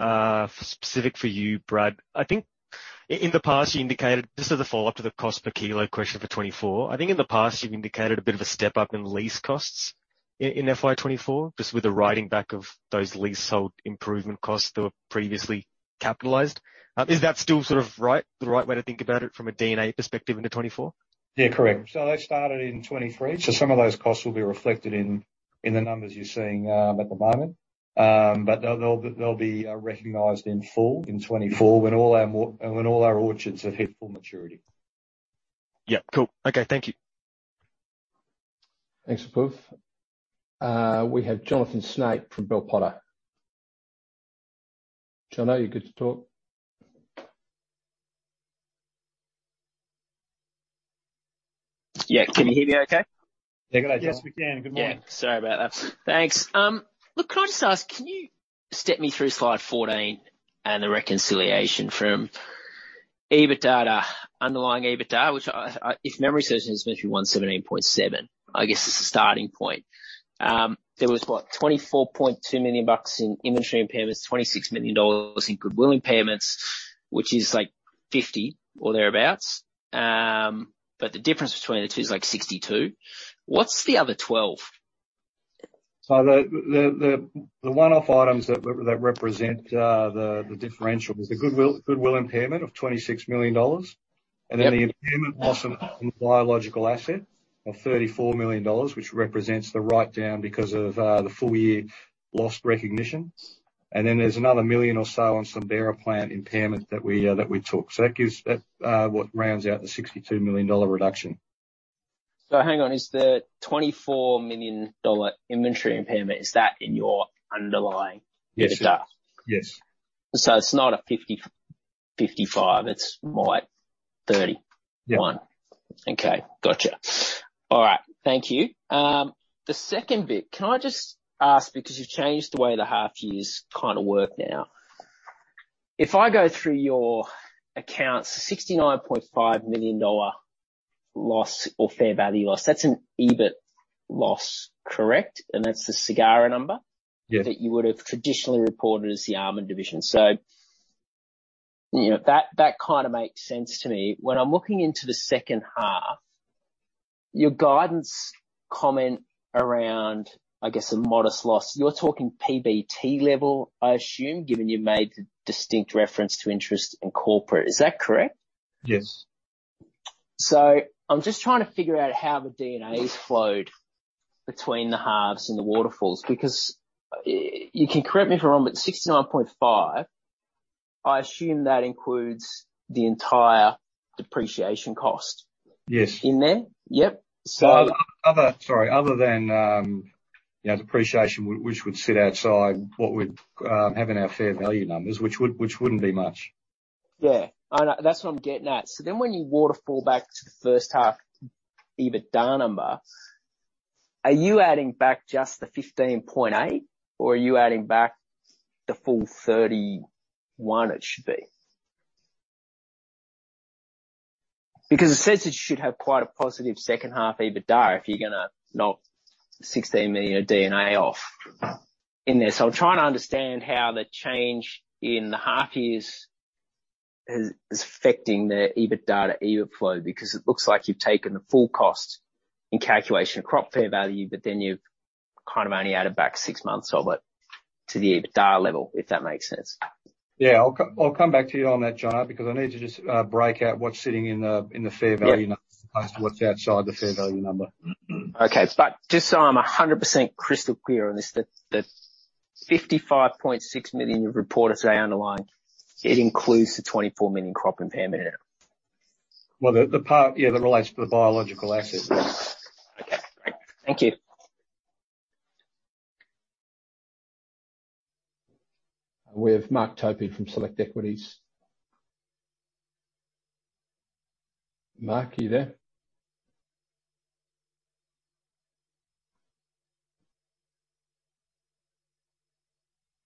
specific for you, Brad. I think in the past you indicated... This is a follow-up to the cost per kilo question for 2024. I think in the past you've indicated a bit of a step-up in lease costs in FY 2024, just with the writing back of those leasehold improvement costs that were previously capitalized. Is that still sort of right, the right way to think about it from a D&A perspective into 2024? Yeah, correct. They started in 2023, so some of those costs will be reflected in the numbers you're seeing at the moment. They'll be recognized in full in 2024 when all our orchards have hit full maturity. Yeah. Cool. Okay, thank you. Thanks, Apoorv. We have Jonathan Snape from Bell Potter. Jonathan, are you good to talk? Yeah. Can you hear me okay? Yeah, good. Yes, we can. Good morning. Yeah, sorry about that. Thanks. Look, could I just ask, can you step me through slide 14 and the reconciliation from EBITDA to underlying EBITDA, which I, if memory serves me, is supposed to be 117.7. I guess it's a starting point. There was, what? 24.2 million bucks in inventory impairments, 26 million dollars in goodwill impairments, which is like 50 or thereabouts. The difference between the two is like 62. What's the other 12? The one-off items that represent the differential is the goodwill impairment of 26 million dollars. Yep. The impairment loss on biological asset of 34 million dollars, which represents the write-down because of the full year loss recognition. There's another 1 million or so on some bearer plant impairment that we took. That gives, that, what rounds out the 62 million dollar reduction. Hang on, is the 24 million dollar inventory impairment, is that in your underlying? Yes. -EBITDA? Yes. It's not a 50%, 55%, it's more like 31%. Yeah. Okay, gotcha. All right, thank you. The second bit, can I just ask, because you've changed the way the half years kind of work now. If I go through your accounts, 69.5 million dollar loss or fair value loss, that's an EBIT loss, correct? That's the CAGR number- Yeah... that you would have traditionally reported as the almond division. You know, that kind of makes sense to me. When I'm looking into the second half, your guidance comment around, I guess, a modest loss, you're talking PBT level, I assume, given you made the distinct reference to interest in corporate, is that correct? Yes. I'm just trying to figure out how the DAs flowed between the halves and the waterfalls, because you can correct me if I'm wrong, but 69.5, I assume that includes the entire depreciation cost? Yes... in there? Yep. Sorry, other than, you know, depreciation, which would sit outside what we'd have in our fair value numbers, which wouldn't be much. Yeah, I know. That's what I'm getting at. When you waterfall back to the first half EBITDA number, are you adding back just the 15.8, or are you adding back the full 31 it should be? It says it should have quite a positive second half EBITDA if you're gonna knock 16 million of DNA off in there. I'm trying to understand how the change in the half years is affecting the EBITDA to EBIT flow, because it looks like you've taken the full cost in calculation of crop fair value, but then you've kind of only added back six months of it to the dollar level, if that makes sense. Yeah, I'll come back to you on that, John, because I need to just break out what's sitting in the, in the fair value number. Yeah as to what's outside the fair value number. Okay. Just so I'm 100% crystal clear on this, that 55.6 million you reported today underlying, it includes the 24 million crop impairment in it? Well, the part, yeah, that relates to the biological asset, yes. Okay, great. Thank you. We have Mark Tobin from Select Equities. Mark, are you there?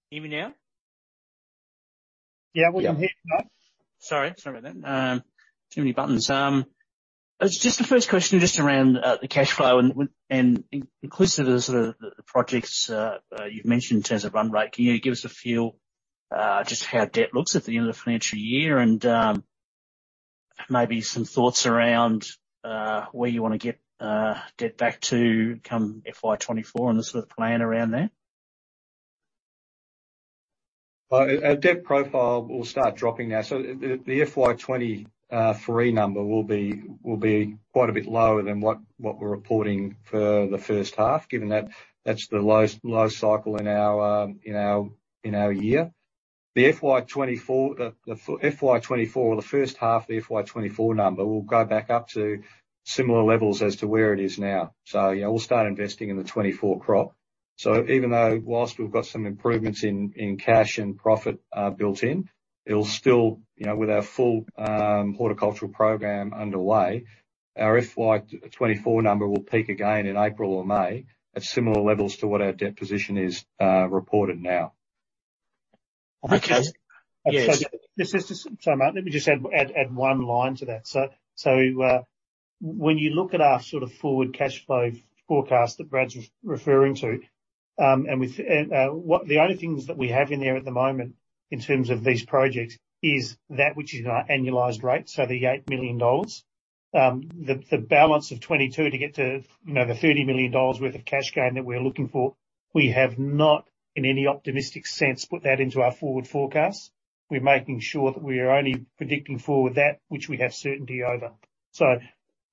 Hear me now? Yeah, we can hear you, Mark. Sorry about that. Too many buttons. Just the first question, just around the cash flow and inclusive of the sort of projects you've mentioned in terms of run rate, can you give us a feel just how debt looks at the end of the financial year? Maybe some thoughts around where you want to get debt back to come FY 2024, and the sort of plan around that? Our debt profile will start dropping now. The FY 2023 number will be quite a bit lower than what we're reporting for the first half, given that that's the lowest low cycle in our year. The FY 2024, or the first half of the FY 2024 number will go back up to similar levels as to where it is now. Yeah, we'll start investing in the 2024 crop. Even though whilst we've got some improvements in cash and profit, built in, it'll still, you know, with our full horticultural program underway, our FY 2024 number will peak again in April or May, at similar levels to what our debt position is reported now. Okay. just, sorry, Mark, let me just add one line to that. When you look at our sort of forward cash flow forecast that Brad's referring to, the only things that we have in there at the moment in terms of these projects, is that which is our annualized rate, so the 8 million dollars. The balance of 22 to get to, you know, the 30 million dollars worth of cash gain that we're looking for, we have not, in any optimistic sense, put that into our forward forecast. We're making sure that we are only predicting forward that which we have certainty over.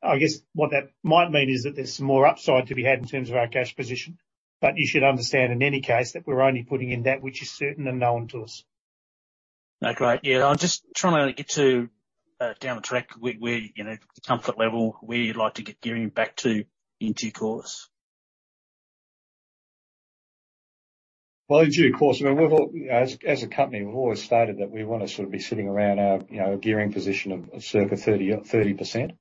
I guess what that might mean is that there's some more upside to be had in terms of our cash position, but you should understand, in any case, that we're only putting in that which is certain and known to us. Great. I'm just trying to get to down the track, where, you know, the comfort level, where you'd like to get gearing back to, into course. Well, in due course, I mean, we've as a company, we've always stated that we want to sort of be sitting around our, you know, gearing position of circa 30%.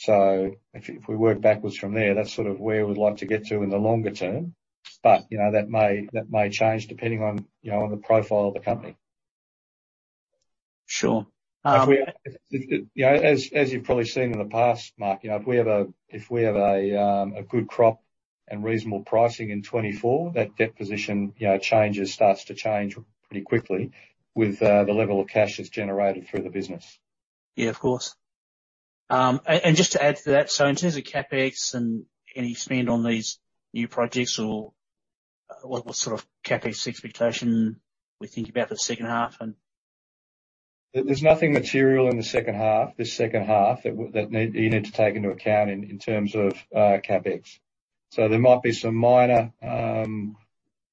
If we work backwards from there, that's sort of where we'd like to get to in the longer term. You know, that may change depending on, you know, on the profile of the company. Sure. You know, as you've probably seen in the past, Mark, you know, if we have a good crop and reasonable pricing in 2024, that debt position, you know, changes, starts to change pretty quickly with the level of cash that's generated through the business. Yeah, of course. Just to add to that, in terms of CapEx and any spend on these new projects, or what sort of CapEx expectation we think about the second half, and? There's nothing material in the H2, this H2, that you need to take into account in terms of CapEx. There might be some minor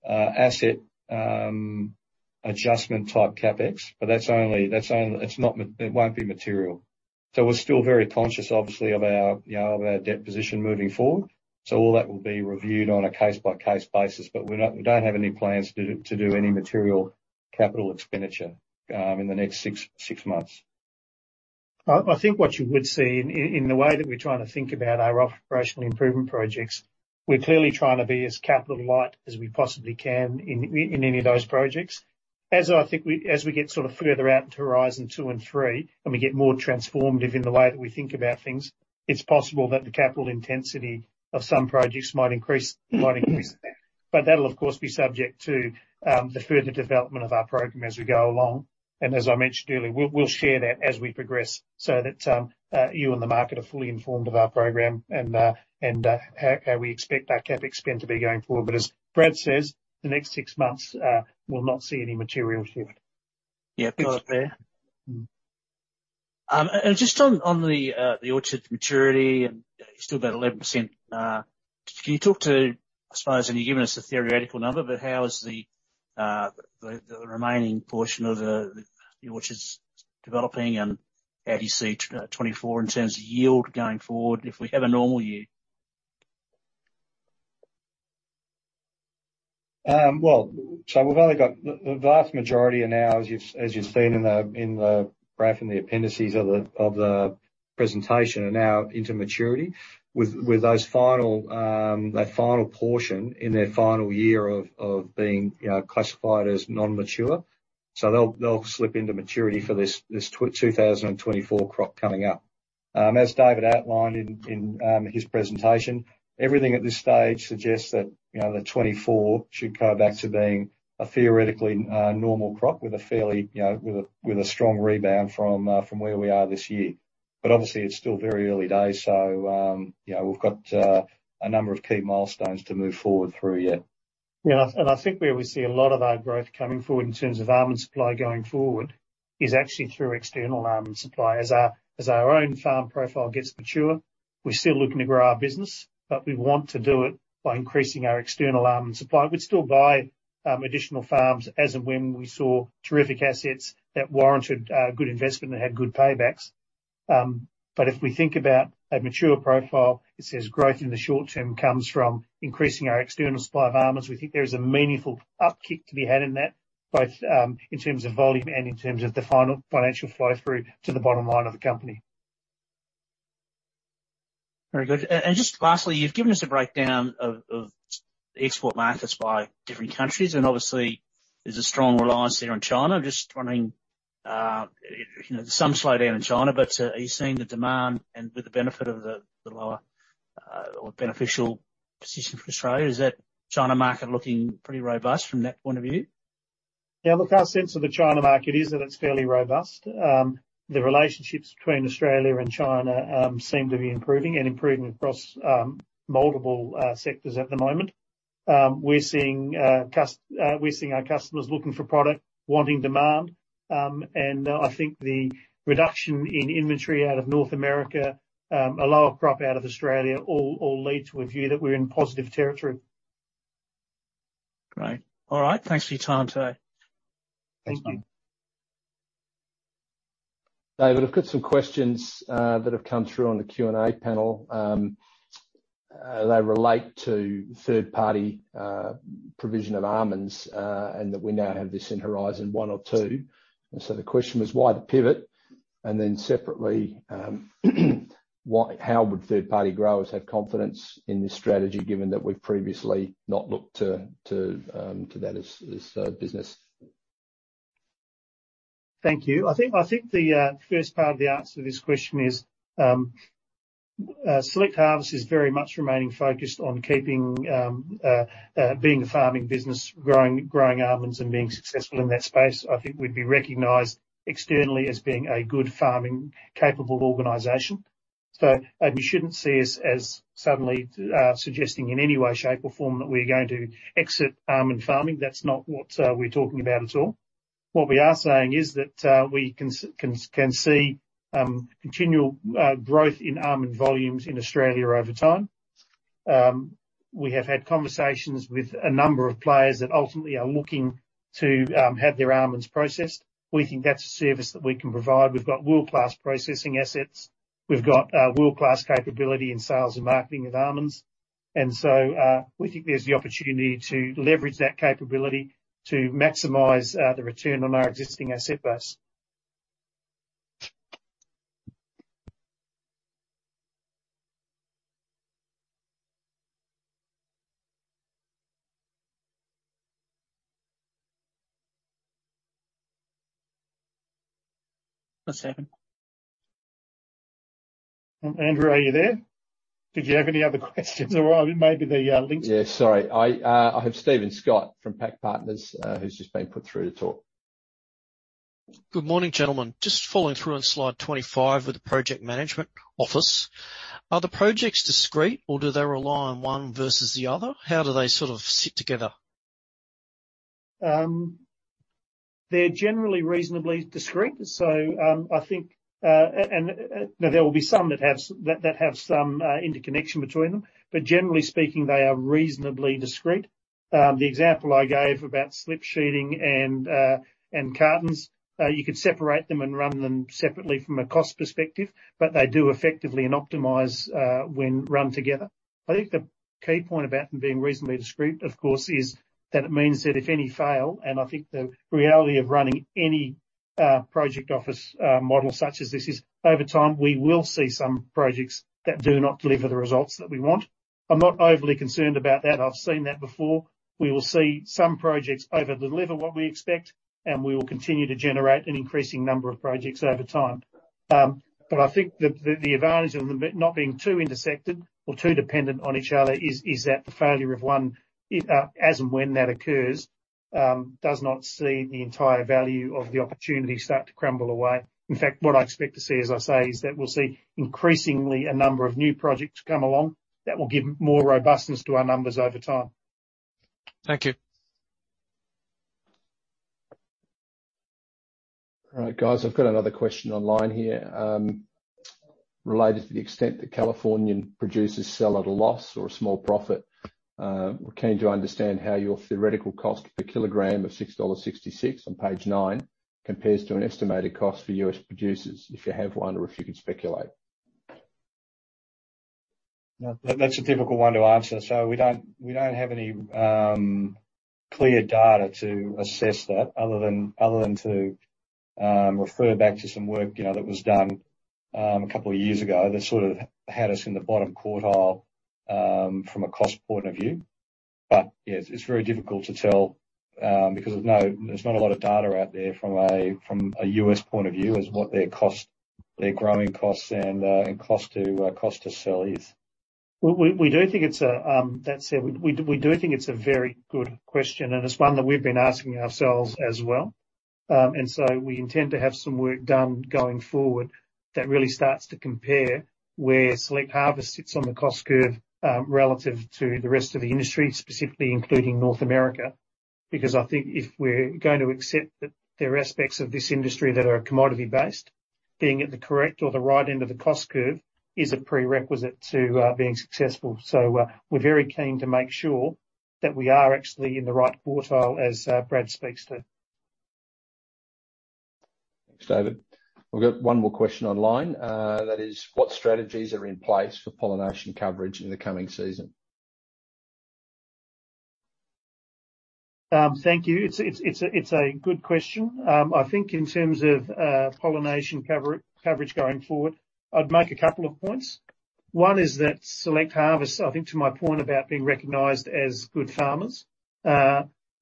asset adjustment type CapEx, but that's only it won't be material. We're still very conscious, obviously, of our, you know, of our debt position moving forward. All that will be reviewed on a case-by-case basis, but we don't have any plans to do any material capital expenditure in the next six months. I think what you would see in the way that we're trying to think about our operational improvement projects, we're clearly trying to be as capital light as we possibly can in any of those projects. As we get sort of further out into horizon two and three, and we get more transformative in the way that we think about things, it's possible that the capital intensity of some projects might increase. That'll of course, be subject to the further development of our program as we go along. As I mentioned earlier, we'll share that as we progress so that you and the market are fully informed of our program and how we expect our CapEx spend to be going forward. As Brad says, the next six months, will not see any material shift. Yeah, fair. Just on the orchard's maturity and, still about 11%, can you talk to, I suppose, and you've given us a theoretical number, but how is the remaining portion of the orchards developing, and how do you see 2024 in terms of yield going forward if we have a normal year? Well, the vast majority are now, as you've seen in the graph, in the appendices of the presentation, are now into maturity with those final, that final portion in their final year of being, you know, classified as non-mature. They'll slip into maturity for this 2024 crop coming up. As David outlined in his presentation, everything at this stage suggests that, you know, that 24 should go back to being a theoretically normal crop with a fairly, you know, with a strong rebound from where we are this year. Obviously, it's still very early days, so, you know, we've got a number of key milestones to move forward through yet. I think where we see a lot of our growth coming forward in terms of almond supply going forward, is actually through external almond supply. As our, as our own farm profile gets mature, we're still looking to grow our business, but we want to do it by increasing our external almond supply. We'd still buy additional farms as and when we saw terrific assets that warranted good investment and had good paybacks. If we think about a mature profile, it says growth in the short term comes from increasing our external supply of almonds. We think there is a meaningful upkick to be had in that, both in terms of volume and in terms of the final financial flow through to the bottom line of the company. Very good. Just lastly, you've given us a breakdown of export markets by different countries, and obviously there's a strong reliance there on China. Just wondering, you know, some slowdown in China, but are you seeing the demand and with the benefit of the lower or beneficial position for Australia, is that China market looking pretty robust from that point of view? Yeah, look, our sense of the China market is that it's fairly robust. The relationships between Australia and China seem to be improving and improving across multiple sectors at the moment. We're seeing our customers looking for product, wanting demand, and I think the reduction in inventory out of North America, a lower crop out of Australia, all lead to a view that we're in positive territory. Great. All right. Thanks for your time today. Thank you. David, I've got some questions that have come through on the Q&A panel. They relate to third-party provision of almonds, and that we now have this in horizon one or two. The question was: Why the pivot? Separately, how would third-party growers have confidence in this strategy, given that we've previously not looked to that as a business? Thank you. I think the first part of the answer to this question is, Select Harvests is very much remaining focused on keeping being a farming business, growing almonds and being successful in that space. I think we'd be recognized externally as being a good farming, capable organization. You shouldn't see us as suddenly suggesting in any way, shape, or form that we're going to exit almond farming. That's not what we're talking about at all. What we are saying is that we can see continual growth in almond volumes in Australia over time. We have had conversations with a number of players that ultimately are looking to have their almonds processed. We think that's a service that we can provide. We've got world-class processing assets, we've got world-class capability in sales and marketing of almonds, and so, we think there's the opportunity to leverage that capability to maximize the return on our existing asset base. One second. Andrew, are you there? Did you have any other questions, or maybe the link-. Yeah, sorry. I have Stephen Scott from PAC Partners, who's just been put through to talk. Good morning, gentlemen. Just following through on slide 25 with the project management office, are the projects discrete or do they rely on one versus the other? How do they sort of sit together? They're generally reasonably discrete. Now there will be some that have some interconnection between them, but generally speaking, they are reasonably discrete. The example I gave about slip sheeting and cartons, you could separate them and run them separately from a cost perspective, but they do effectively optimize when run together. I think the key point about them being reasonably discrete, of course, is that it means that if any fail, and I think the reality of running any project office model such as this is over time, we will see some projects that do not deliver the results that we want. I'm not overly concerned about that. I've seen that before. We will see some projects over-deliver what we expect, and we will continue to generate an increasing number of projects over time. But I think the advantage of them not being too intersected or too dependent on each other is that the failure of one, as and when that occurs, does not see the entire value of the opportunity start to crumble away. In fact, what I expect to see, as I say, is that we'll see increasingly a number of new projects come along that will give more robustness to our numbers over time. Thank you. All right, guys, I've got another question online here, related to the extent that Californian producers sell at a loss or a small profit. We're keen to understand how your theoretical cost per kilogram of 6.66 dollars on page 9 compares to an estimated cost for US producers, if you have one, or if you could speculate. Yeah. That's a difficult one to answer. We don't have any clear data to assess that other than to refer back to some work, you know, that was done two years ago that sort of had us in the bottom quartile from a cost point of view. Yeah, it's very difficult to tell because there's not a lot of data out there from a U.S. point of view as what their costs, their growing costs and cost to sell is. Well, we do think it's a, that said, we do think it's a very good question, and it's one that we've been asking ourselves as well. We intend to have some work done going forward that really starts to compare where Select Harvests sits on the cost curve, relative to the rest of the industry, specifically including North America. I think if we're going to accept that there are aspects of this industry that are commodity-based, being at the correct or the right end of the cost curve is a prerequisite to being successful. We're very keen to make sure that we are actually in the right quartile, as Brad speaks to. Thanks, David. We've got one more question online. That is: What strategies are in place for pollination coverage in the coming season? Thank you. It's a good question. I think in terms of pollination coverage going forward, I'd make a couple of points. One is that Select Harvests, I think, to my point about being recognized as good farmers,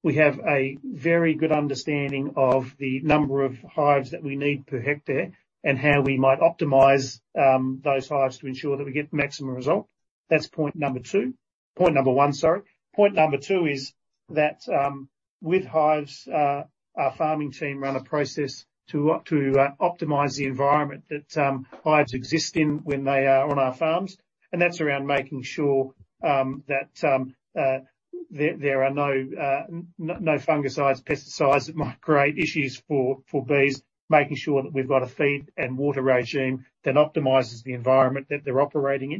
we have a very good understanding of the number of hives that we need per hectare, and how we might optimize those hives to ensure that we get maximum result. That's point number two. Point number one, sorry. Point number two is that with hives, our farming team run a process to optimize the environment that hives exist in when they are on our farms, and that's around making sure that there are no fungicides, pesticides, that might create issues for bees. Making sure that we've got a feed and water regime that optimizes the environment that they're operating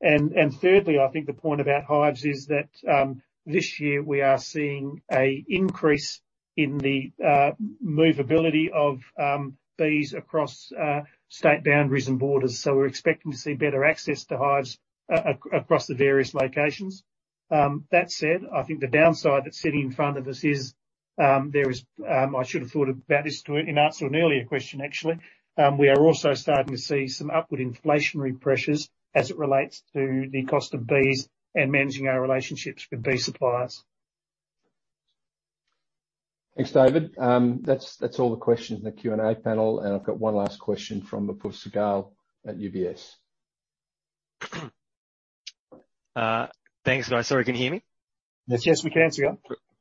in. Thirdly, I think the point about hives is that this year we are seeing a increase in the movability of bees across state boundaries and borders. We're expecting to see better access to hives across the various locations. That said, I think the downside that's sitting in front of us is there is... I should have thought about this to, in answer to an earlier question, actually. We are also starting to see some upward inflationary pressures as it relates to the cost of bees and managing our relationships with bee suppliers. Thanks, David. That's all the questions in the Q&A panel. I've got one last question from Apoorv Sehgal at UBS. Thanks, guys. Sorry, can you hear me? Yes. Yes, we can, Sehgal.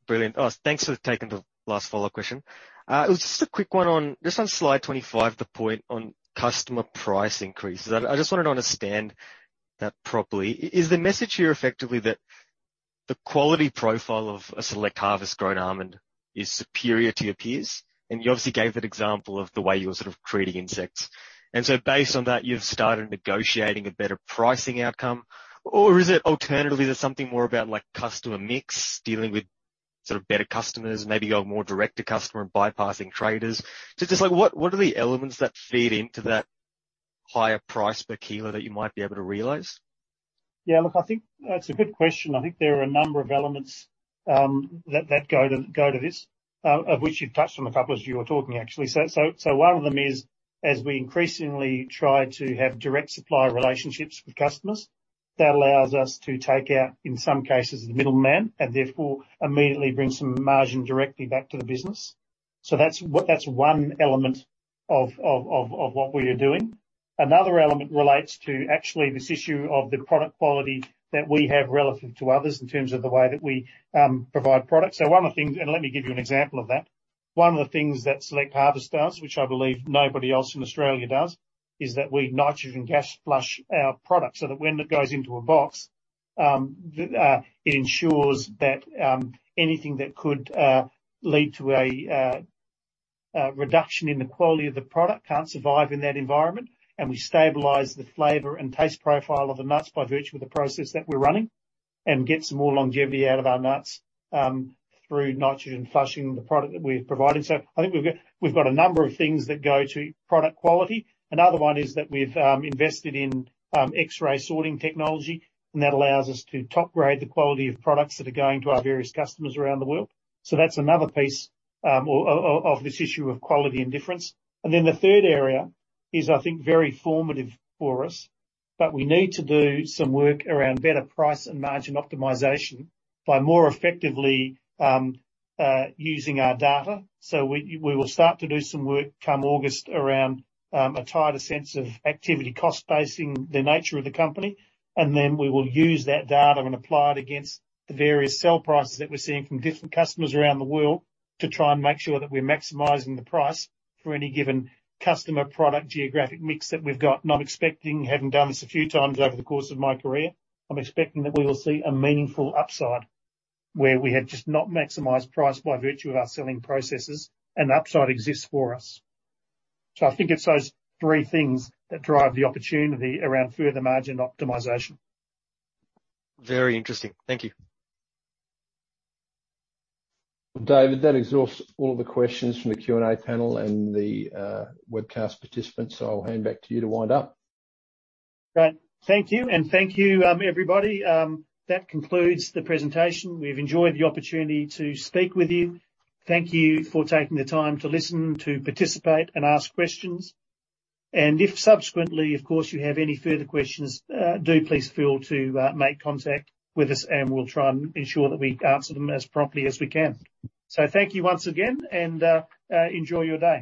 Brilliant. Oh, thanks for taking the last follow-up question. It was just a quick one on, just on slide 25, the point on customer price increases. I just wanted to understand that properly. Is the message here effectively, that the quality profile of a Select Harvests grown almond is superior to your peers? You obviously gave that example of the way you were sort of creating insects. Based on that, you've started negotiating a better pricing outcome, or is it alternatively, that something more about like customer mix, dealing with sort of better customers, maybe going more direct to customer and bypassing traders? Just like, what are the elements that feed into that higher price per kilo that you might be able to realize? Yeah, look, I think that's a good question. I think there are a number of elements, that go to, go to this, of which you've touched on a couple as you were talking, actually. One of them is, as we increasingly try to have direct supplier relationships with customers, that allows us to take out, in some cases, the middleman, and therefore immediately bring some margin directly back to the business. That's one element of what we are doing. Another element relates to actually this issue of the product quality that we have relative to others, in terms of the way that we, provide products. One of the things. And let me give you an example of that. One of the things that Select Harvests does, which I believe nobody else in Australia does, is that we nitrogen gas flush our products, so that when it goes into a box, it ensures that anything that could lead to a reduction in the quality of the product can't survive in that environment, and we stabilize the flavor and taste profile of the nuts by virtue of the process that we're running, and get some more longevity out of our nuts through nitrogen flushing the product that we're providing. I think we've got a number of things that go to product quality. Another one is that we've invested in X-ray sorting technology, and that allows us to top grade the quality of products that are going to our various customers around the world. That's another piece of this issue of quality and difference. The third area is, I think, very formative for us, but we need to do some work around better price and margin optimization by more effectively using our data. We will start to do some work come August around a tighter sense of activity cost, basing the nature of the company, and then we will use that data and apply it against the various sell prices that we're seeing from different customers around the world, to try and make sure that we're maximizing the price for any given customer, product, geographic mix that we've got. I'm expecting, having done this a few times over the course of my career, I'm expecting that we will see a meaningful upside, where we had just not maximized price by virtue of our selling processes, and upside exists for us. I think it's those three things that drive the opportunity around further margin optimization. Very interesting. Thank you. David, that exhausts all of the questions from the Q&A panel and the webcast participants, so I'll hand back to you to wind up. Great. Thank you, and thank you, everybody. That concludes the presentation. We've enjoyed the opportunity to speak with you. Thank you for taking the time to listen, to participate, and ask questions. If subsequently, of course, you have any further questions, do please feel to make contact with us, and we'll try and ensure that we answer them as promptly as we can. Thank you once again, and enjoy your day.